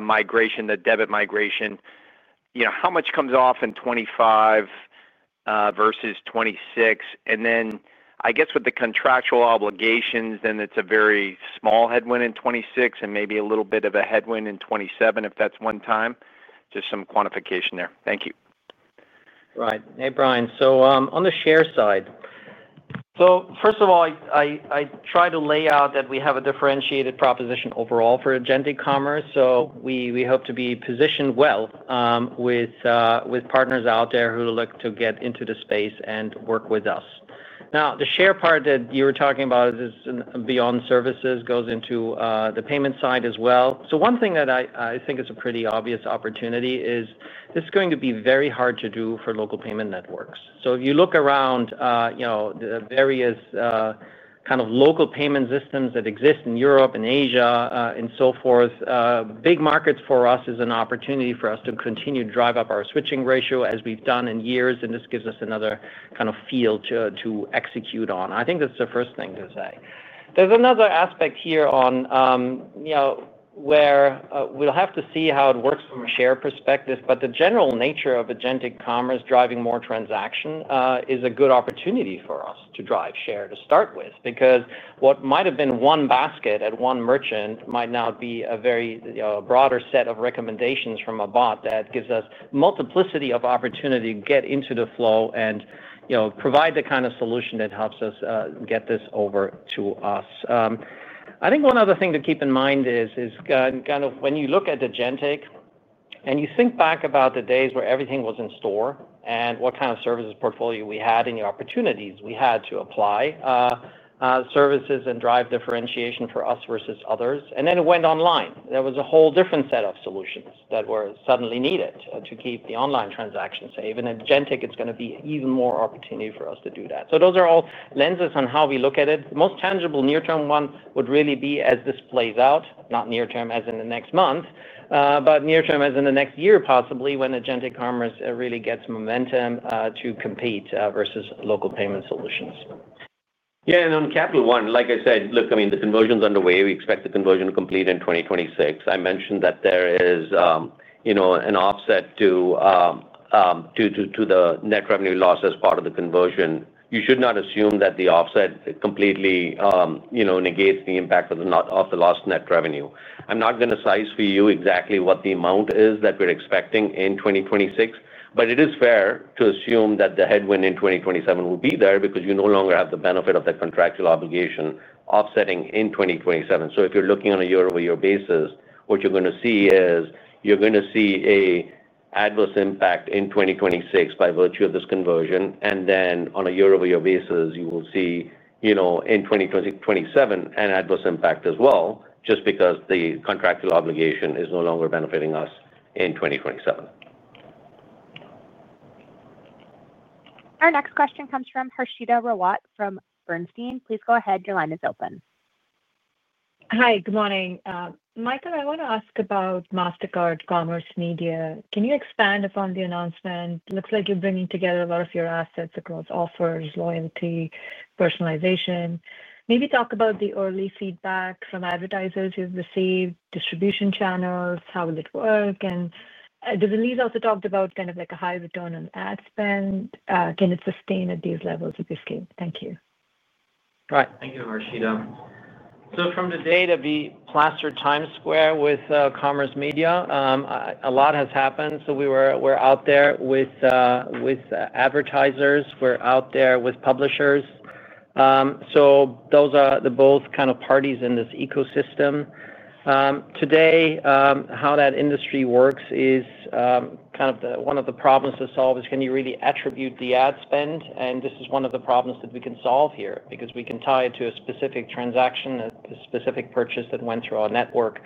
migration, the debit migration, you know, how much comes off in 2025 versus 2026, and then I guess with the contractual obligations, then it's a very small headwind in 2026 and maybe a little bit of a headwind in 2027 if that's one time. Just some quantification there. Thank you. Right. Hey Brian. On the share side, first of all, I try to lay out that we have a differentiated proposition overall for agentic commerce. We hope to be positioned well with partners out there who look to get into the space and work with us. The share part that you were talking about beyond services goes into the payment side as well. One thing that I think is a pretty obvious opportunity is this is going to be very hard to do for local payment networks. If you look around, the various kind of local payment systems that exist in Europe and Asia and so forth, big markets for us, it is an opportunity for us to continue to drive up our switching ratio as we've done in years. This gives us another kind of field to execute on. I think that's the first thing to say. There's another aspect here on where we'll have to see how it works from a share perspective. The general nature of agentic commerce driving more transaction is a good opportunity for us to drive share to start with, because what might have been one basket at one merchant might now be a very broader set of recommendations from a bot that gives us multiplicity of opportunity, get into the flow and provide the kind of solution that helps us get this over to us. One other thing to keep in mind is when you look at agentic and you think back about the days where everything was in store and what kind of services portfolio we had and the opportunities we had to apply services and drive differentiation for us versus others. Then it went online. There was a whole different set of solutions that were suddenly needed to keep the online transaction safe. At agentic, it's going to be even more opportunity for us to do that. Those are all lenses on how we look at it. Most tangible near term one would really be as this plays out, not near term as in the next month, but near term as in the next year possibly when agentic commerce really gets momentum to compete versus local payment solutions. Yeah, and on Capital One, like I said, look, I mean the conversion's underway. We expect the conversion complete in 2026. I mentioned that there is an offset due to the net revenue loss as part of the conversion. You should not assume that the offset completely negates the impact of the lost net revenue. I'm not going to size for you exactly what the amount is that we're expecting in 2026, but it is fair to assume that the headwind in 2027 will be there because you no longer have the benefit of that contractual obligation offsetting in 2027. If you're looking on a year-over-year basis, what you're going to see is you're going to see an adverse impact in 2026 by virtue of this conversion. On a year-over-year basis you will see, in 2027, an adverse impact as well just because the contractual obligation is no longer benefiting us in 2027. Our next question comes from Harshita Rawat from Bernstein. Please go ahead. Your line is open. Hi, good morning Michael. I want to ask about Mastercard Commerce Media. Can you expand upon the announcement? Looks like you're bringing together a lot of your assets across offers, loyalty, personalization. Maybe talk about the early feedback from advertisers you've received, distribution channels. How will it work? Elise also talked about kind of like a high return on ad spend. Can it sustain at these levels if you scale? Thank you. Thank you, Harshita. From today to be plastered Times Square with Commerce Media, a lot has happened. We were out there with advertisers, we're out there with publishers. Those are both kind of parties in this ecosystem today. How that industry works is kind of one of the problems to solve: can you really attribute the ad spend? This is one of the problems that we can solve here because we can tie it to a specific transaction, a specific purchase that went through our network.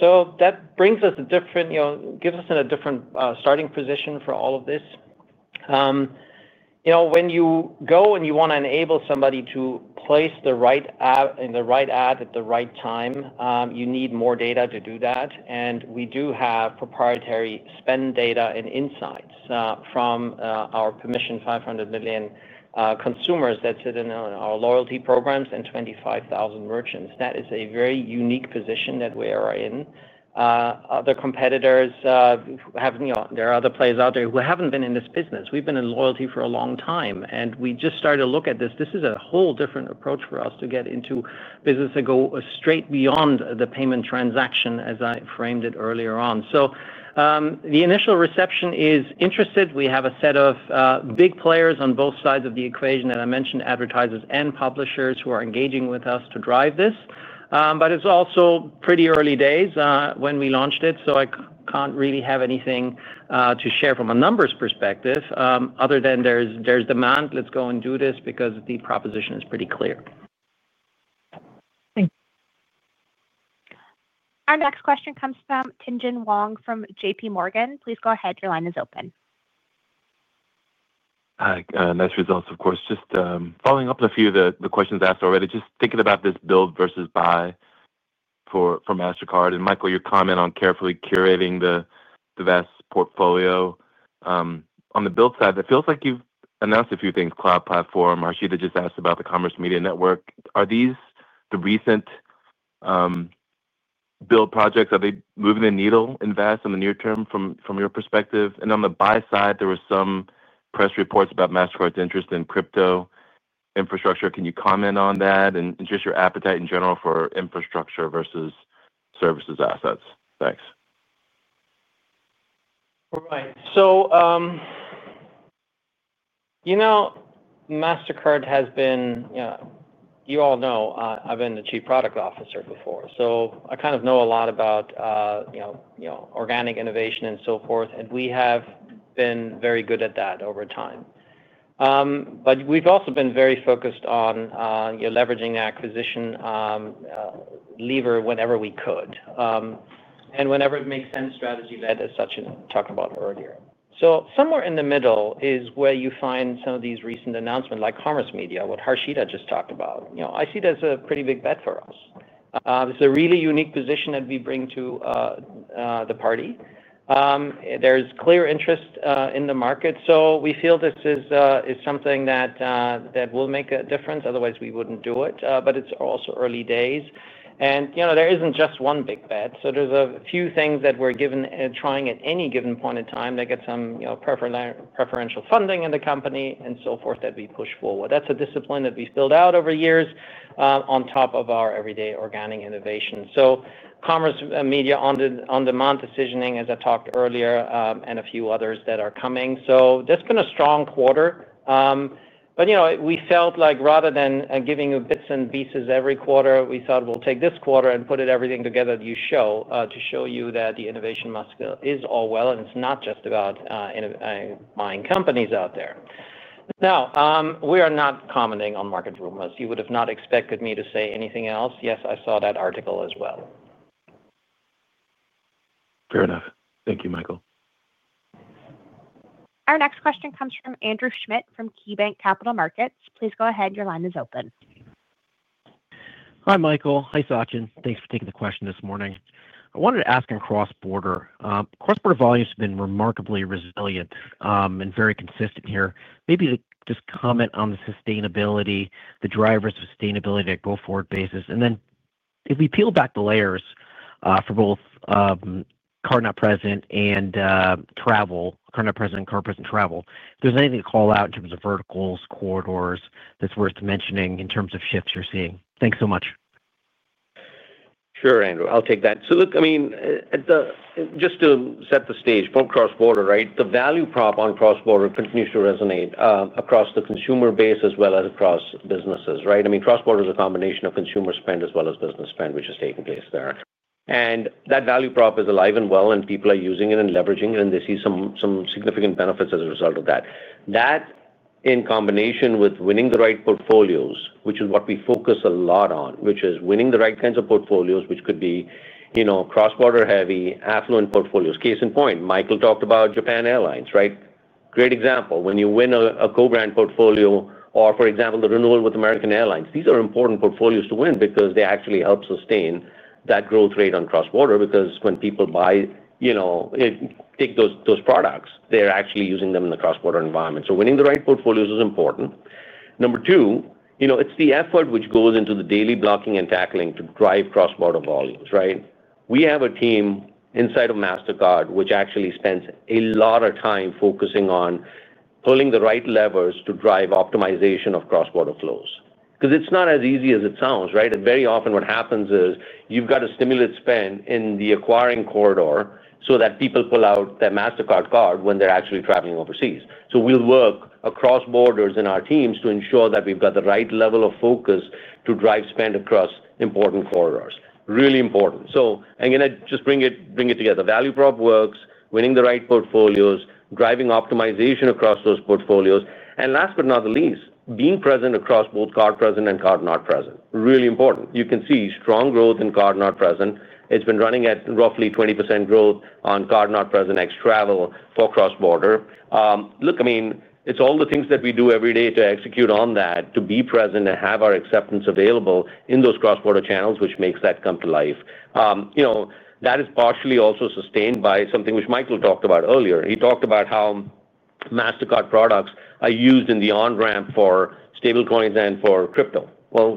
That brings us a different, you know, gives us a different starting position for all of this. You know, when you go and you want to enable somebody to place the right ad in the right ad at the right time, you need more data to do that. We do have proprietary spend data and insights from our permissioned 500 million consumers that sit in our loyalty programs and 25,000 merchants. That is a very unique position that we are in. Other competitors, there are other players out there who haven't been in this business. We've been in loyalty for a long time and we just started to look at this. This is a whole different approach for us to get into business that goes straight beyond the payment transaction as I framed it earlier on. The initial reception is interested. We have a set of big players on both sides of the equation, and I mentioned advertisers and publishers who are engaging with us to drive this. It's also pretty early days when we launched it, so I can't really have anything to share from a numbers perspective other than there's demand. Let's go and do this because the proposition is pretty clear. Thank you. Our next question comes from Tien-tsin Huang from JPMorgan. Please go ahead. Your line is open. Nice results, of course. Just following up on a few of them. The questions asked already. Just thinking about this build versus buy. For Mastercard and Michael, your comment on carefully curating the vast portfolio. On the build side, it feels like. You've announced a few things. Cloud platform. Harshita just asked about the Commerce Media Network. Are these the recent build projects, are. They are moving the needle. Invest in the. Near term from your perspective and on the buy side there were some. Press reports about Mastercard's interest in crypto infrastructure. Can you comment on that? you discuss your appetite in general for infrastructure versus services assets? Thanks. All right. So you know Mastercard has been. You all know I've been the Chief Product Officer before so I kind of know a lot about organic innovation and so forth and we have been very good at that over time. We have also been very focused on leveraging acquisition lever whenever we could and whenever it makes sense. Strategy led as Sachin talked about earlier. Somewhere in the middle is where you find some of these recent announcements like Commerce Media, what Harshita just talked about. I see it as a pretty big bet for us. It's a really unique position that we bring to the party. There's clear interest in the market so we feel this is something that will make a difference otherwise we wouldn't do it. It's also early days and you know there isn't just one big bet. There are a few things that we're trying at any given point in time to get some preferential funding in the company and so forth that we push forward. That's a discipline that we've built out over years on top of our everyday organic innovation. So Commerce Media, On Demand Decisioning as I talked earlier and a few others that are coming. That's been a strong quarter but we felt like rather than giving you bits and pieces every quarter we thought we'll take this quarter and put everything together to show you that the innovation is all well and it's not just about buying companies out there. Now we are not commenting on market rumors. You would have not expected me to say anything else. Yes, I saw that article as well. Fair enough. Thank you, Michael. Our next question comes from Andrew Schmidt from KeyBanc Capital Markets. Please go ahead, your line is open. Hi Michael. Hi Sachin. Thanks for taking the question this morning. I wanted to ask in cross-border, cross-border volumes have been remarkably resilient and very consistent here. Maybe just comment on the sustainability, the drivers of sustainability at go-forward basis, and then if we peel back the layers for both card not present and travel card not present and card present travel. If there's anything to call out in terms of verticals, corridors, that's worth mentioning in terms of shifts you're seeing. Thanks so much. Sure, Andrew, I'll take that. Look, just to set the stage for cross-border, the value prop on cross-border continues to resonate across the consumer base as well as across businesses. Cross-border is a combination of consumer spend as well as business. Spend, which is taking place there. That value prop is alive and well and people are using it and leveraging and they see some significant benefits as a result of that. That in combination with winning the right portfolios, which is what we focus a lot on, which is winning the right kinds of portfolios, which could be cross-border heavy affluent portfolios. Case in point, Michael talked about Japan Airlines. Right? Great example. When you win a co-brand portfolio or, for example, the renewal with American Airlines, these are important portfolios to win because they actually help sustain that growth rate on cross-border because when people buy, you know, take those products, they're actually using them in the cross-border environment. Winning the right portfolios is important. Number two, it's the effort which goes into the daily blocking and tackling to drive cross-border volumes. We have a team inside of Mastercard which actually spends a lot of time focusing on pulling the right levers to drive optimization of cross-border flows because it's not as easy as it sounds. Very often what happens is you've got a stimulus spend in the acquiring corridor so that people pull out their Mastercard card when they're actually traveling overseas. We work across borders in our teams to ensure that we've got the right level of focus to drive spend across important corridors. Really important. I'm going to just bring it together. Value prop works, winning the right portfolios, driving optimization across those portfolios, and last but not the least, being present across both card present and card not present. Really important. You can see strong growth in card not present. It's been running at roughly 20% growth on card not present ex travel for cross-border. It's all the things that we do every day to execute on that, to be present, to have our acceptance available in those cross-border channels which makes that come to life. That is partially also sustained by something which Michael talked about earlier. He talked about how Mastercard products are used in the on-ramp for stablecoins and for crypto.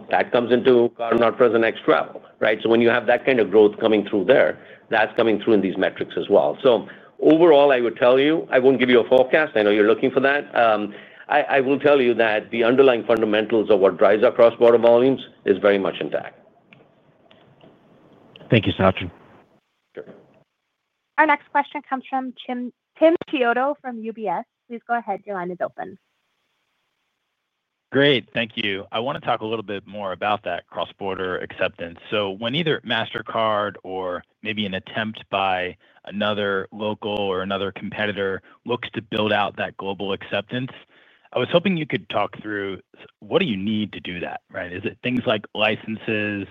That comes into not present ex travel. When you have that kind of growth coming through there, that's coming through in these metrics as well. Overall, I would tell you I won't give you a forecast, I know you're looking for that. I will tell you that the underlying fundamentals of what drives our cross-border volumes is very much intact. Thank you. Sachin. Our next question comes from Tim Chiodo from UBS. Please go ahead. Your line is open. Great, thank you. I want to talk a little bit more about that cross-border acceptance. When either Mastercard or maybe an attempt by another local or another competitor looks to build out that global acceptance, I was hoping you could talk through what do you need to do that, right? Is it things like licenses,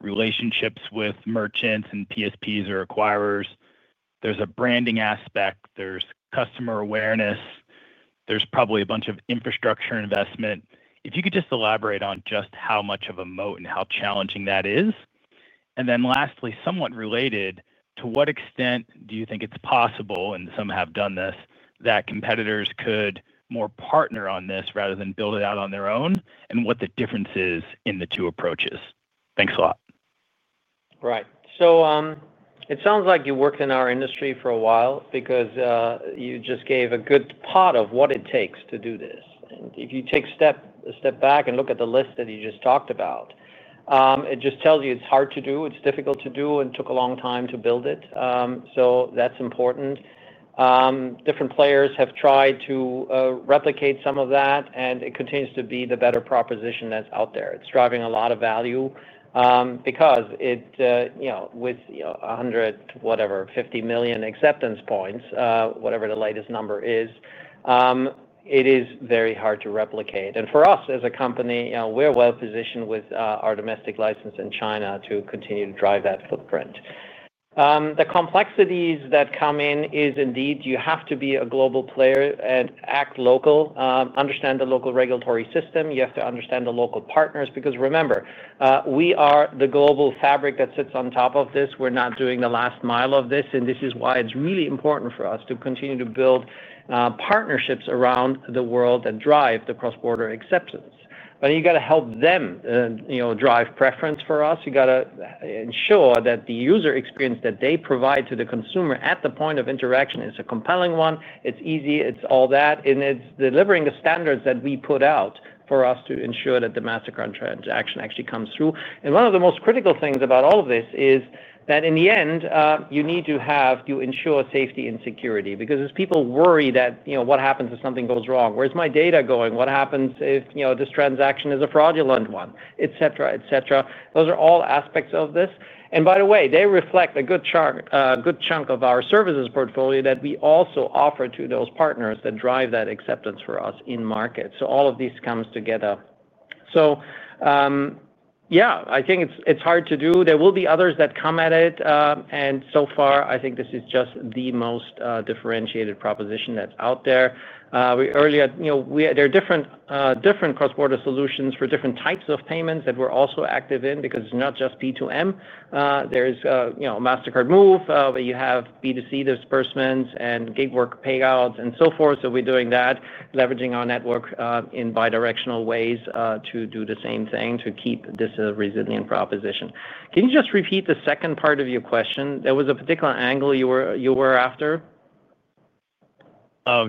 relationships with merchants and PSPs or acquirers? There's a branding aspect, there's customer awareness, there's probably a bunch of infrastructure investment. If you could just elaborate on just how much of a moat and how challenging that is. Lastly, somewhat related, to what extent do you think it's possible, and some have done this, that competitors could more partner on this rather than build it out on their own, and what the difference is in the two approaches. Thanks a lot, right. It sounds like you worked in our industry for a while because you just gave a good pot of what it takes to do this. If you step back and look at the list that you just talked about, it just tells you it's hard to do, it's difficult to do, and took a long time to build it. That's important. Different players have tried to replicate some of that and it continues to be the better proposition that's out there. It's driving a lot of value because it, you know, with 150 million acceptance points, whatever this number is, it is very hard to replicate. For us as a company, we're well positioned with our domestic license in China to continue to drive that footprint. The complexities that come in is indeed you have to be a global player and act local, understand the local regulatory system, you have to understand the local partners. Remember, we are the global fabric that sits on top of this. We're not doing the last mile of this. This is why it's really important for us to continue to build partnerships around the world that drive the cross-border acceptance. You have to help them drive preference for us. You have to ensure that the user experience that they provide to the consumer at the point of interaction is a compelling one. It's easy, it's all that, and it's delivering the standards that we put out for us to ensure that the Mastercard transaction actually comes through. One of the most critical things about all of this is that in the end you need to ensure safety and security. As people worry that what happens if something goes wrong, where's my data going, what happens if this transaction is a fraudulent one, etc., etc., those are all aspects of this. By the way, they reflect a good chunk of our services portfolio that we also offer to those partners that drive that acceptance for us in market. All of these come together. I think it's hard to do. There will be others that come at it. So far I think this is just the most differentiated proposition that's out there. Earlier, there are different cross-border solutions for different types of payments that we're also active in because it's not just P2M, there's Mastercard Move where you have B2C disbursements and gig work payouts and so forth. We're doing that, leveraging our network in bidirectional ways to do the same thing to keep this resilient proposition. Can you just repeat the second part of your question? There was a particular angle you were after.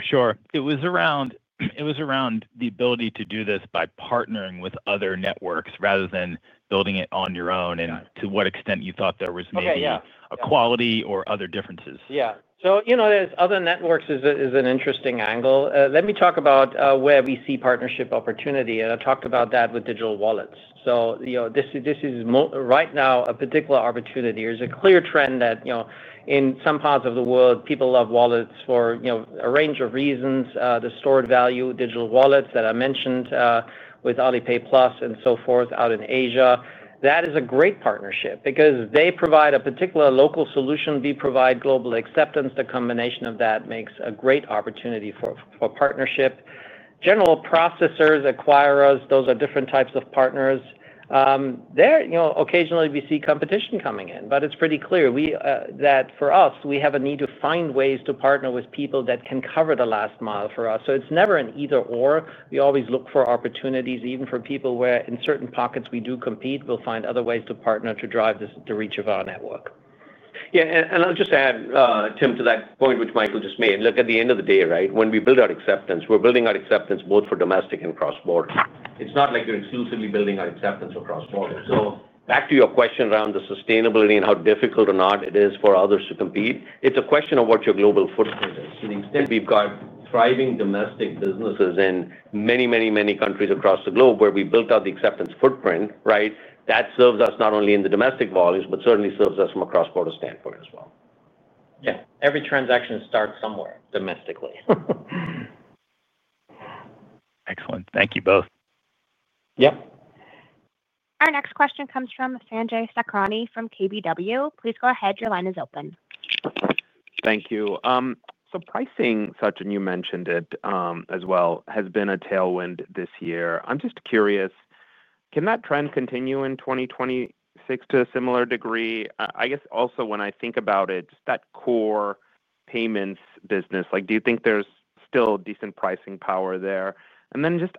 Sure. It was around the ability to do this by partnering with other networks rather than building it on your own. To what extent you thought there was maybe equality or other differences. Yeah. There's other networks, which is an interesting angle. Let me talk about where we see partnership opportunity, and I talked about that with digital wallets. This is right now a particular opportunity. It's a clear trend that, in some parts of the world, people love wallets for a range of reasons. The stored value digital wallets that I mentioned with Alipay Plus and so forth out in Asia, that is a great partnership. Because they provide a particular local solution, we provide global acceptance. The combination of that makes a great opportunity for partnership. General processors, acquirers, those are different types of partners there. Occasionally, we see competition coming in, but it's pretty clear that for us, we have a need to find ways to partner with people that can cover the last mile for us. It's never an either or. We always look for opportunities, even from people where in certain pockets we do compete. We'll find other ways to partner to drive the reach of our network. I'll just add, Tim, to that point which Michael just made. At the end of the day, when we build out acceptance, we're building out acceptance both for domestic and cross-border. It's not like you're exclusively building out acceptance across borders. Back to your question around the sustainability and how difficult or not it is for others to compete, it's a question of what your global footprint is. To the extent we've got thriving domestic businesses in many, many, many countries across the globe where we built out the acceptance footprint, that serves us not only in the domestic volumes, but certainly serves us from a cross-border standpoint as well. Yeah, every transaction starts somewhere domestically. Excellent. Thank you both. Yep. Our next question comes from Sanjay Sakhrani from KBW. Please go ahead. Your line is open. Thank you. Pricing, such, and you mentioned it as well, has been a tailwind this year. I'm just curious, can that trend continue in 2026 to a similar degree? I guess, also when I think about it, that core payments business, like, do you think there's still decent pricing power there?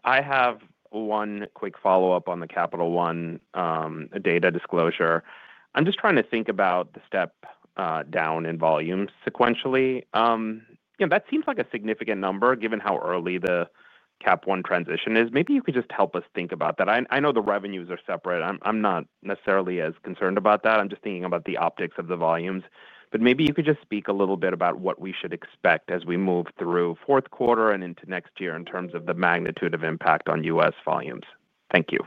I have one quick follow-up on the Capital One data disclosure. I'm just trying to think about the step down in volumes sequentially. That seems like a significant number given. How early the Capital One transition is maybe. You could just help us think about that. I know the revenues are separate. I'm not necessarily as concerned about that. I'm just thinking about the optics of the volumes. Maybe you could just speak a. Little bit about what we should expect. As we move through fourth quarter and. Into next year in terms of the magnitude of impact on U.S. volumes. Thank you.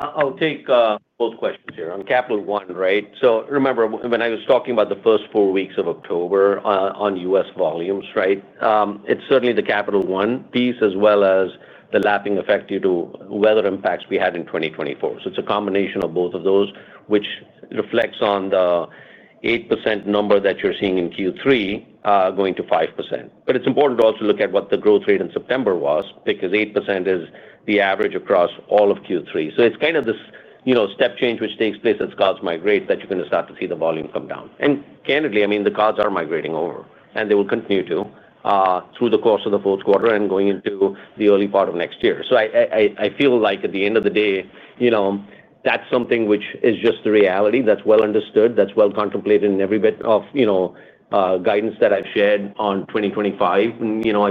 I'll take both questions here on Capital One. Right. Remember when I was talking about the first four weeks of October on U.S. volumes. It's certainly the Capital One piece, as well as the lapping effect due to weather impacts we had in 2024. It's a combination of both of those, which reflects on the 8% number that you're seeing in Q3, going to 5%. It's important to also look at what the growth rate in September was because 8% is the average across all of Q3. It's kind of this step change which takes place as cards migrate, that you're going to start to see the volume come down. Candidly, the cards are migrating over and they will continue to through the course of the fourth quarter and going into the early part of next year. I feel like at the end of the day, that's something which is just the reality that's well understood, that's well contemplated in every bit of guidance that I've shared on 2025. I've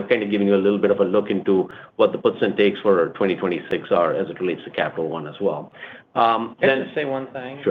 kind of given you a little bit of a look into what the puts and takes for 2026 are as it relates to Capital One as well. Can I say one thing?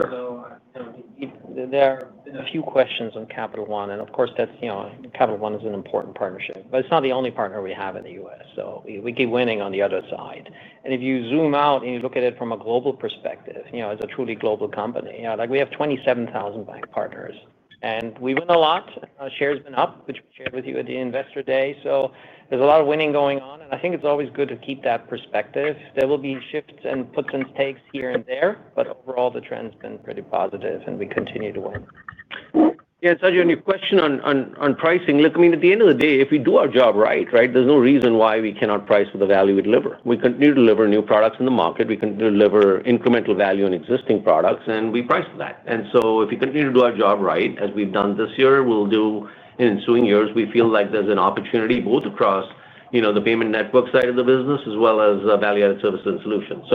There are a few questions on Capital One and of course that's, you know, Capital One is an important partnership, but it's not the only partner we have in the U.S. We keep winning on the other side. If you zoom out and you look at it from a global perspective, you know, it's a truly global company. Yeah, like we have 27,000 bank partners and we win a lot. Share's been up, which we shared with you at the investor day. There's a lot of winning going on. I think it's always good to keep that perspective. There will be shifts and puts and takes here and there, but overall the trend has been pretty positive and we continue to win. Yeah. Sanjay, your question on pricing. Look, at the end of the day, if we do our job right, there's no reason why we cannot price with the value we deliver. We continue to deliver new products in the market, we continue to deliver incremental value in existing products, and we price that. If you continue to do our job right as we've done this year, we'll do in ensuing years. We feel like there's an opportunity both across the payment network side of the business as well as Value Added Services and Solutions.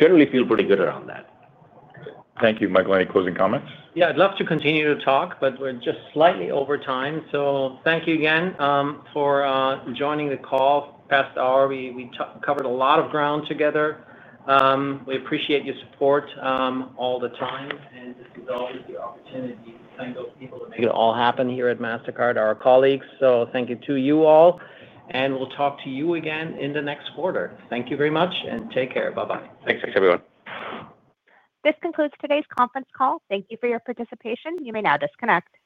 Generally feel pretty good around that. Thank you. Michael, any closing comments? Yeah, I'd love to continue to talk, but we're just slightly over time, so thank you again for joining the question call past hour. We covered a lot of ground together. We appreciate your support all the time, and this is all for the opportunity to thank those people who make it all happen here at Mastercard, our colleagues. Thank you to you all, and we'll talk to you again in the next quarter. Thank you very much, and take care. Bye bye. Thanks everyone. This concludes today's conference call. Thank you for your participation. You may now disconnect.